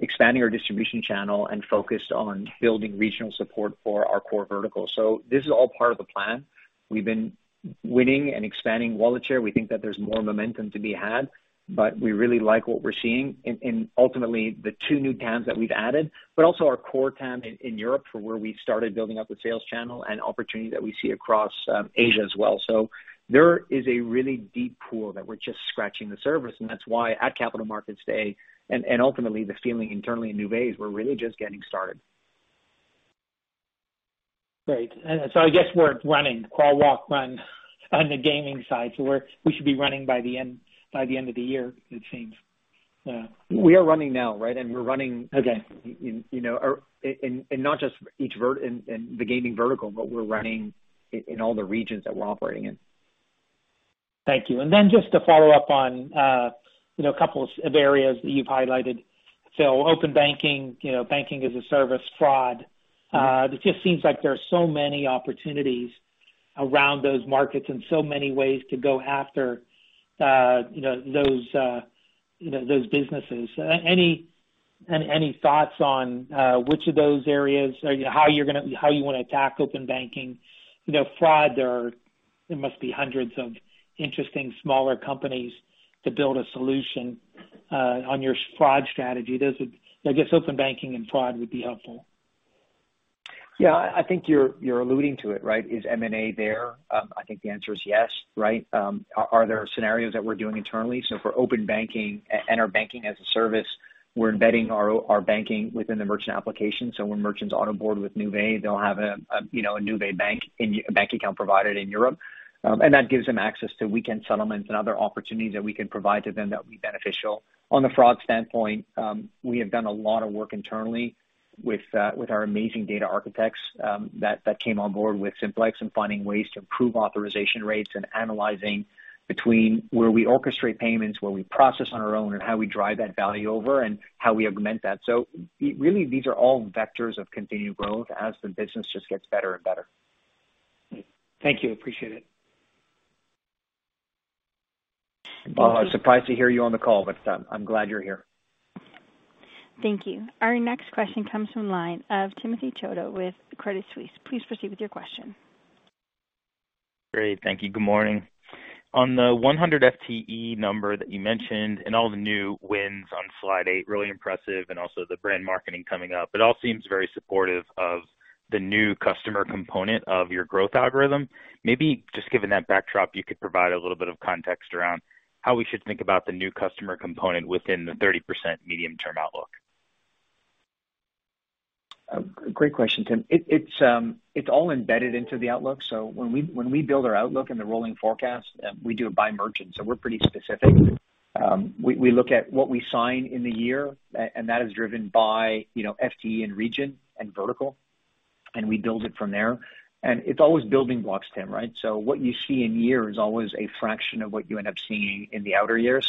expanding our distribution channel and focused on building regional support for our core verticals. This is all part of the plan. We've been winning and expanding Wallet Share. We think that there's more momentum to be had, but we really like what we're seeing in ultimately the two new TAMs that we've added, but also our core TAM in Europe for where we've started building up the sales channel and opportunity that we see across Asia as well. There is a really deep pool that we're just scratching the surface, and that's why at Capital Markets Day and ultimately the feeling internally at Nuvei is we're really just getting started. Great. I guess we're running. Crawl, walk, run on the gaming side. We should be running by the end of the year, it seems. We are running now, right? Okay. You know, and not just in the gaming vertical, but we're running in all the regions that we're operating in. Thank you. Just to follow up on, you know, a couple of areas that you've highlighted. Open banking, you know, Banking-as-a-Service, fraud. It just seems like there are so many opportunities around those markets and so many ways to go after, you know, those, you know, those businesses. Any thoughts on which of those areas or how you wanna attack open banking? You know, fraud, there must be hundreds of interesting smaller companies to build a solution. I guess open banking and fraud would be helpful. Yeah, I think you're alluding to it, right? Is M&A there? I think the answer is yes. Right? Are there scenarios that we're doing internally? For open banking and our Banking-as-a-Service, we're embedding our banking within the merchant application. When merchants onboard with Nuvei, they'll have a, you know, a Nuvei bank account provided in Europe. And that gives them access to weekend settlements and other opportunities that we can provide to them that will be beneficial. On the fraud standpoint, we have done a lot of work internally with our amazing data architects that came on board with Simplex and finding ways to improve authorization rates and analyzing between where we orchestrate payments, where we process on our own, and how we drive that value over and how we augment that. Really, these are all vectors of continued growth as the business just gets better and better. Thank you. Appreciate it. Bob, I'm surprised to hear you on the call, but I'm glad you're here. Thank you. Our next question comes from the line of Timothy Chiodo with Credit Suisse. Please proceed with your question. Great. Thank you. Good morning. On the 100 FTE number that you mentioned and all the new wins on slide 8, really impressive and also the brand marketing coming up, it all seems very supportive of the new customer component of your growth algorithm. Maybe just given that backdrop, you could provide a little bit of context around how we should think about the new customer component within the 30% medium-term outlook. Great question, Tim. It's all embedded into the outlook. When we build our outlook in the rolling forecast, we do it by merchant, so we're pretty specific. We look at what we sign in the year and that is driven by, you know, FTE and region and vertical, and we build it from there. It's always building blocks, Tim. Right? What you see in year is always a fraction of what you end up seeing in the outer year.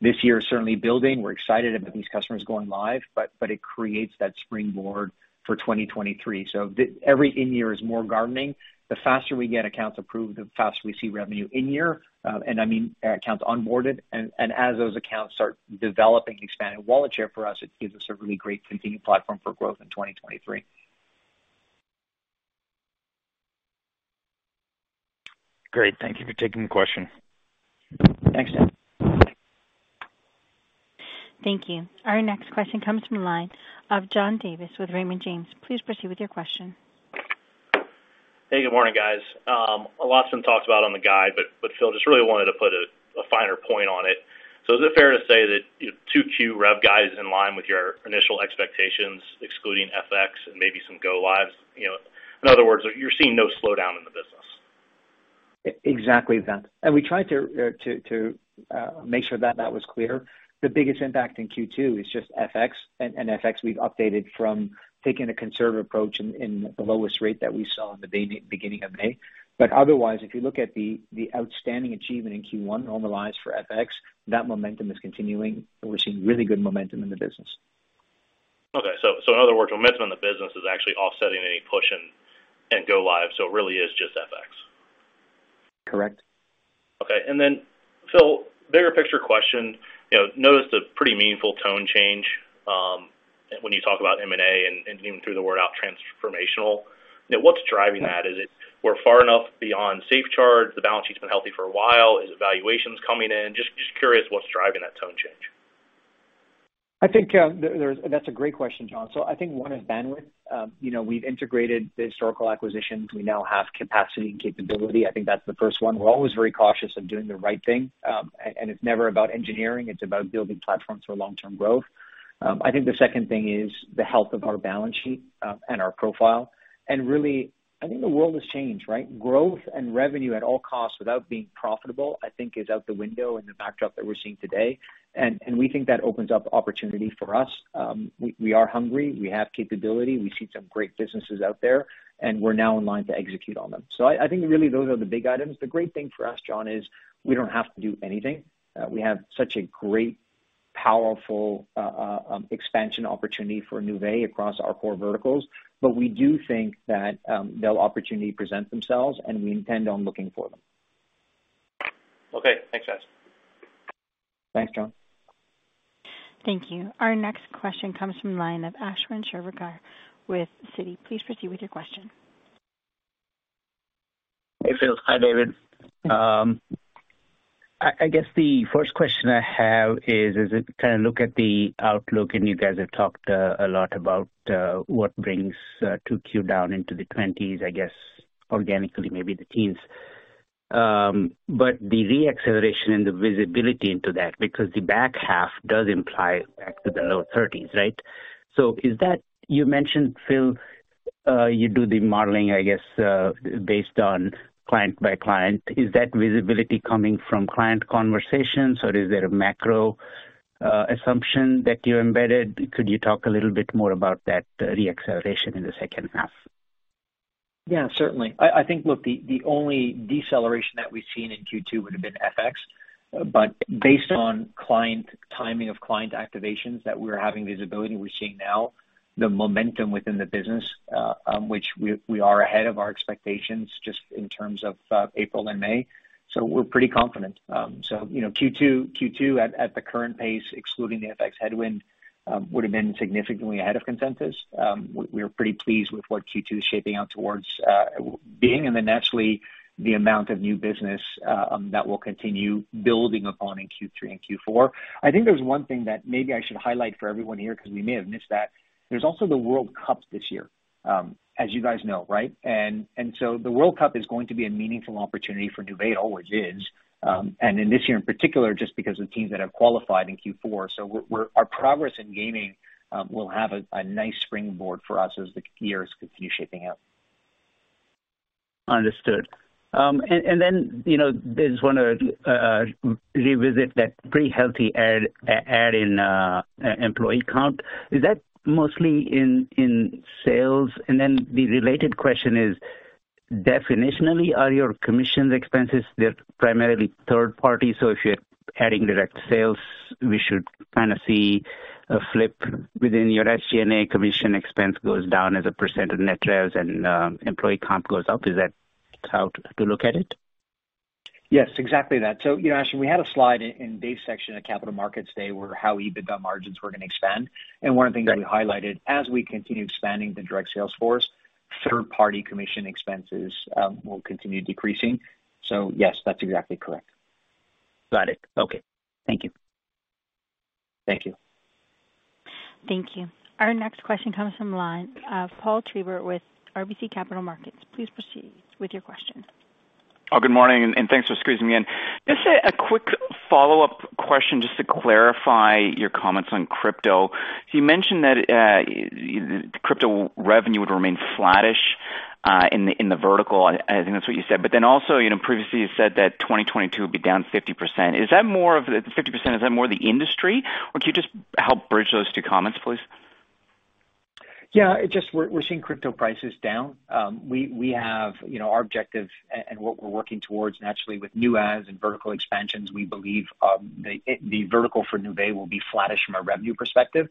This year is certainly building. We're excited about these customers going live, but it creates that springboard for 2023. Every in year is more gardening. The faster we get accounts approved, the faster we see revenue in year. I mean accounts onboarded. As those accounts start developing expanded Wallet Share for us, it gives us a really great continued platform for growth in 2023. Great. Thank you for taking the question. Thanks, Tim. Thank you. Our next question comes from the line of John Davis with Raymond James. Please proceed with your question. Hey, good morning, guys. A lot's been talked about on the guide, but Phil just really wanted to put a finer point on it. Is it fair to say that, you know, Q2 rev guide is in line with your initial expectations, excluding FX and maybe some go lives? You know, in other words, you're seeing no slowdown in the business. Exactly that. We tried to make sure that that was clear. The biggest impact in Q2 is just FX. FX we've updated from taking a conservative approach in the lowest rate that we saw in the beginning of May. Otherwise, if you look at the outstanding achievement in Q1 normalized for FX, that momentum is continuing and we're seeing really good momentum in the business. Okay. In other words, momentum in the business is actually offsetting any push and go live. It really is just FX. Correct. Okay. Phil, bigger picture question. You know, noticed a pretty meaningful tone change, when you talk about M&A and even threw the word out transformational. You know, what's driving that? Is it we're far enough beyond SafeCharge? The balance sheet's been healthy for a while. Is valuations coming in? Just curious what's driving that tone change. I think, there's—that's a great question, John. I think one is bandwidth. You know, we've integrated the historical acquisitions. We now have capacity and capability. I think that's the first one. We're always very cautious of doing the right thing. And it's never about engineering, it's about building platforms for long-term growth. I think the second thing is the health of our balance sheet, and our profile. Really, I think the world has changed, right? Growth and revenue at all costs without being profitable, I think is out the window in the backdrop that we're seeing today. We think that opens up opportunity for us. We are hungry, we have capability, we see some great businesses out there, and we're now in line to execute on them. I think really those are the big items. The great thing for us, John, is we don't have to do anything. We have such a great, powerful expansion opportunity for Nuvei across our core verticals. We do think that the opportunities present themselves and we intend on looking for them. Okay. Thanks, guys. Thanks, John. Thank you. Our next question comes from line of Ashwin Shirvaikar with Citi. Please proceed with your question. Hey, Phil. Hi, David. I guess the first question I have is, as I kind of look at the outlook, and you guys have talked a lot about what brings Q2 down into the 20s%, I guess organically, maybe the teens%. The re-acceleration and the visibility into that because the back half does imply back to the low 30s%, right? Is that, you mentioned, Phil, you do the modeling, I guess, based on client by client. Is that visibility coming from client conversations or is there a macro assumption that you embedded? Could you talk a little bit more about that re-acceleration in the second half? Yeah, certainly. I think, look, the only deceleration that we've seen in Q2 would have been FX. Based on client timing of client activations that we're having visibility, we're seeing now the momentum within the business, which we are ahead of our expectations just in terms of April and May. We're pretty confident. You know, Q2 at the current pace, excluding the FX headwind, would have been significantly ahead of consensus. We're pretty pleased with what Q2 is shaping out towards being. Then naturally, the amount of new business that we'll continue building upon in Q3 and Q4. I think there's one thing that maybe I should highlight for everyone here because we may have missed that. There's also the World Cup this year, as you guys know, right? The World Cup is going to be a meaningful opportunity for Nuvei, always is, and in this year in particular, just because of the teams that have qualified in Q4. Our progress in gaming will have a nice springboard for us as the years continue shaping out. Understood. You know, there's one revisit that pretty healthy addition in employee count. Is that mostly in sales? The related question is, definitionally, are your commission expenses, they're primarily third-party, so if you're adding direct sales, we should kind of see a flip within your SG&A commission expense goes down as a % of net sales and employee comp goes up. Is that how to look at it? Yes, exactly that. You know, actually, we had a slide in Dave's section at Capital Markets Day, where how EBITDA margins were gonna expand. One of the things that we highlighted, as we continue expanding the direct sales force, third party commission expenses will continue decreasing. Yes, that's exactly correct. Got it. Okay. Thank you. Thank you. Thank you. Our next question comes from the line of Paul Treiber with RBC Capital Markets. Please proceed with your question. Oh, good morning, and thanks for squeezing me in. Just a quick follow-up question just to clarify your comments on crypto. You mentioned that crypto revenue would remain flattish in the vertical. I think that's what you said. Also, you know, previously you said that 2022 would be down 50%. Is that more of the 50%, is that more the industry? Could you just help bridge those two comments, please? We're seeing crypto prices down. We have, you know, our objective and what we're working towards naturally with new adds and vertical expansions. We believe the vertical for Nuvei will be flattish from a revenue perspective.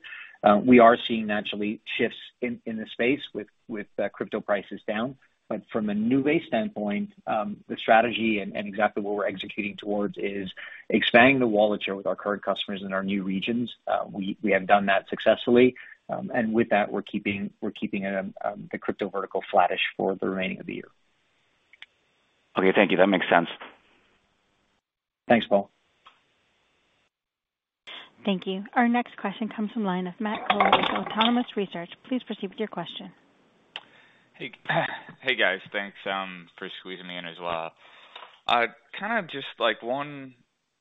We are seeing naturally shifts in the space with crypto prices down. From a Nuvei standpoint, the strategy and exactly what we're executing towards is expanding the Wallet Share with our current customers in our new regions. We have done that successfully. With that, we're keeping it, the crypto vertical flattish for the remaining of the year. Okay. Thank you. That makes sense. Thanks, Paul. Thank you. Our next question comes from the line of Matt Cole with Autonomous Research. Please proceed with your question. Hey. Hey, guys. Thanks for squeezing me in as well. Kind of just like one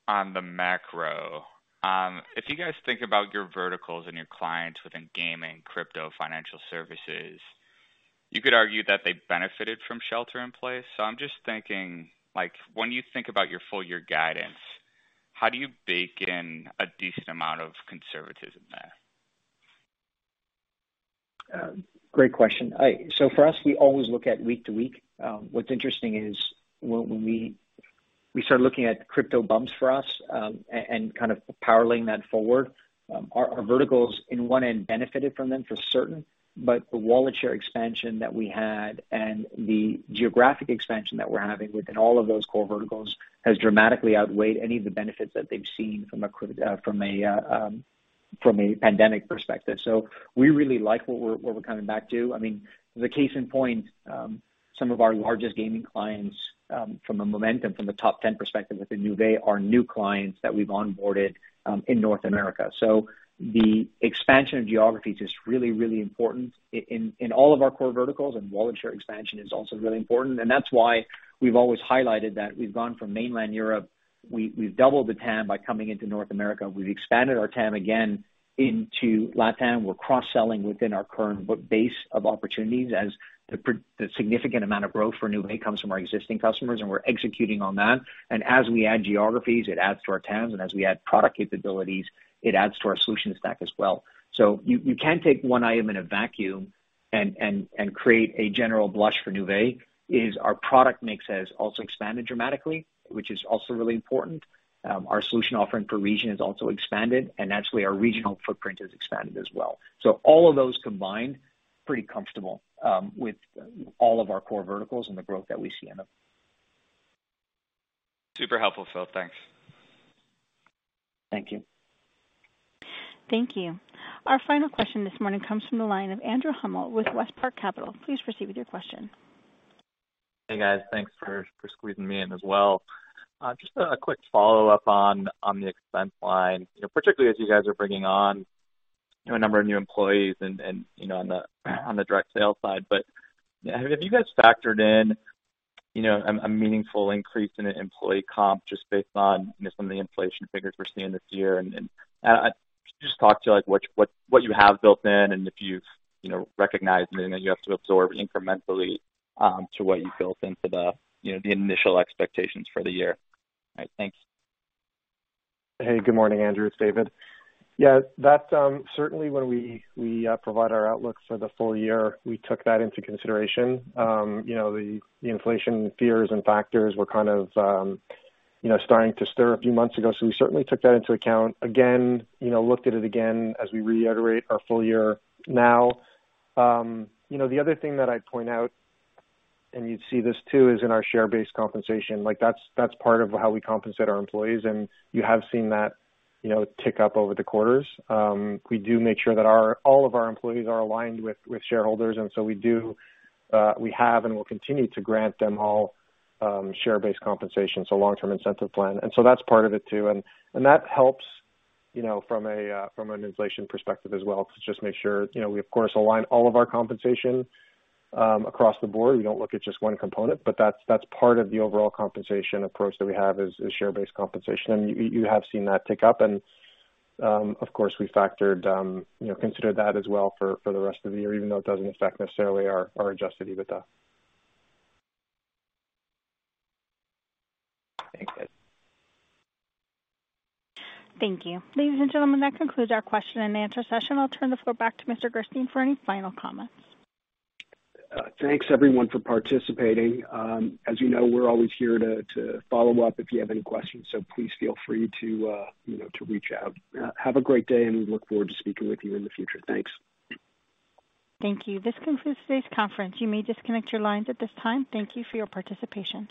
on the macro. If you guys think about your verticals and your clients within gaming, crypto, financial services, you could argue that they benefited from shelter in place. I'm just thinking, like, when you think about your full-year guidance, how do you bake in a decent amount of conservatism there? Great question. For us, we always look at week to week. What's interesting is when we start looking at crypto bumps for us, and kind of projecting that forward, our verticals on one end benefited from them for certain. The Wallet Share expansion that we had and the geographic expansion that we're having within all of those core verticals has dramatically outweighed any of the benefits that they've seen from a pandemic perspective. We really like what we're coming back to. I mean, the case in point, some of our largest gaming clients, from a momentum and top ten perspective within Nuvei are new clients that we've onboarded in North America. The expansion of geographies is really, really important in all of our core verticals. Wallet Share expansion is also really important. That's why we've always highlighted that we've gone from mainland Europe. We've doubled the TAM by coming into North America. We've expanded our TAM again into LATAM. We're cross-selling within our current book-base of opportunities as the significant amount of growth for Nuvei comes from our existing customers, and we're executing on that. As we add geographies, it adds to our TAMs, and as we add product capabilities, it adds to our solution stack as well. You can't take one item in a vacuum and create a general brush for Nuvei, as our product mix has also expanded dramatically, which is also really important. Our solution offering per region has also expanded, and naturally our regional footprint has expanded as well. All of those combined, pretty comfortable with all of our core verticals and the growth that we see in them. Super helpful, Phil. Thanks. Thank you. Thank you. Our final question this morning comes from the line of Andrew Hummel with WestPark Capital. Please proceed with your question. Hey, guys. Thanks for squeezing me in as well. Just a quick follow-up on the expense line. You know, particularly as you guys are bringing on, you know, a number of new employees and you know, on the direct sales side. Yeah, have you guys factored in, you know, a meaningful increase in the employee comp just based on, you know, some of the inflation figures we're seeing this year? Just talk to, like, what you have built in, and if you've, you know, recognized it and then you have to absorb incrementally to what you built into the, you know, the initial expectations for the year. All right. Thank you. Hey, good morning, Andrew. It's David. Yeah, that's certainly when we provide our outlook for the full-year, we took that into consideration. You know, the inflation fears and factors were kind of, you know, starting to stir a few months ago, so we certainly took that into account. Again, you know, looked at it again as we reiterate our full-year now. You know, the other thing that I'd point out, and you'd see this too, is in our share-based compensation. Like, that's part of how we compensate our employees. You have seen that, you know, tick up over the quarters. We do make sure that all of our employees are aligned with shareholders. We do, we have and will continue to grant them all share-based compensation, so long-term incentive plan. That's part of it too. That helps, you know, from an inflation perspective as well, to just make sure, you know, we of course align all of our compensation across the board. We don't look at just one component. That's part of the overall compensation approach that we have is share-based compensation. You have seen that tick up. Of course, we factored, you know, considered that as well for the rest of the year, even though it doesn't affect necessarily our Adjusted EBITDA. Thanks, guys. Thank you. Ladies and gentlemen, that concludes our question and answer session. I'll turn the floor back to Mr. Gerstein for any final comments. Thanks everyone for participating. As you know, we're always here to follow up if you have any questions, so please feel free to you know, to reach out. Have a great day. We look forward to speaking with you in the future. Thanks. Thank you. This concludes today's conference. You may disconnect your lines at this time. Thank you for your participation.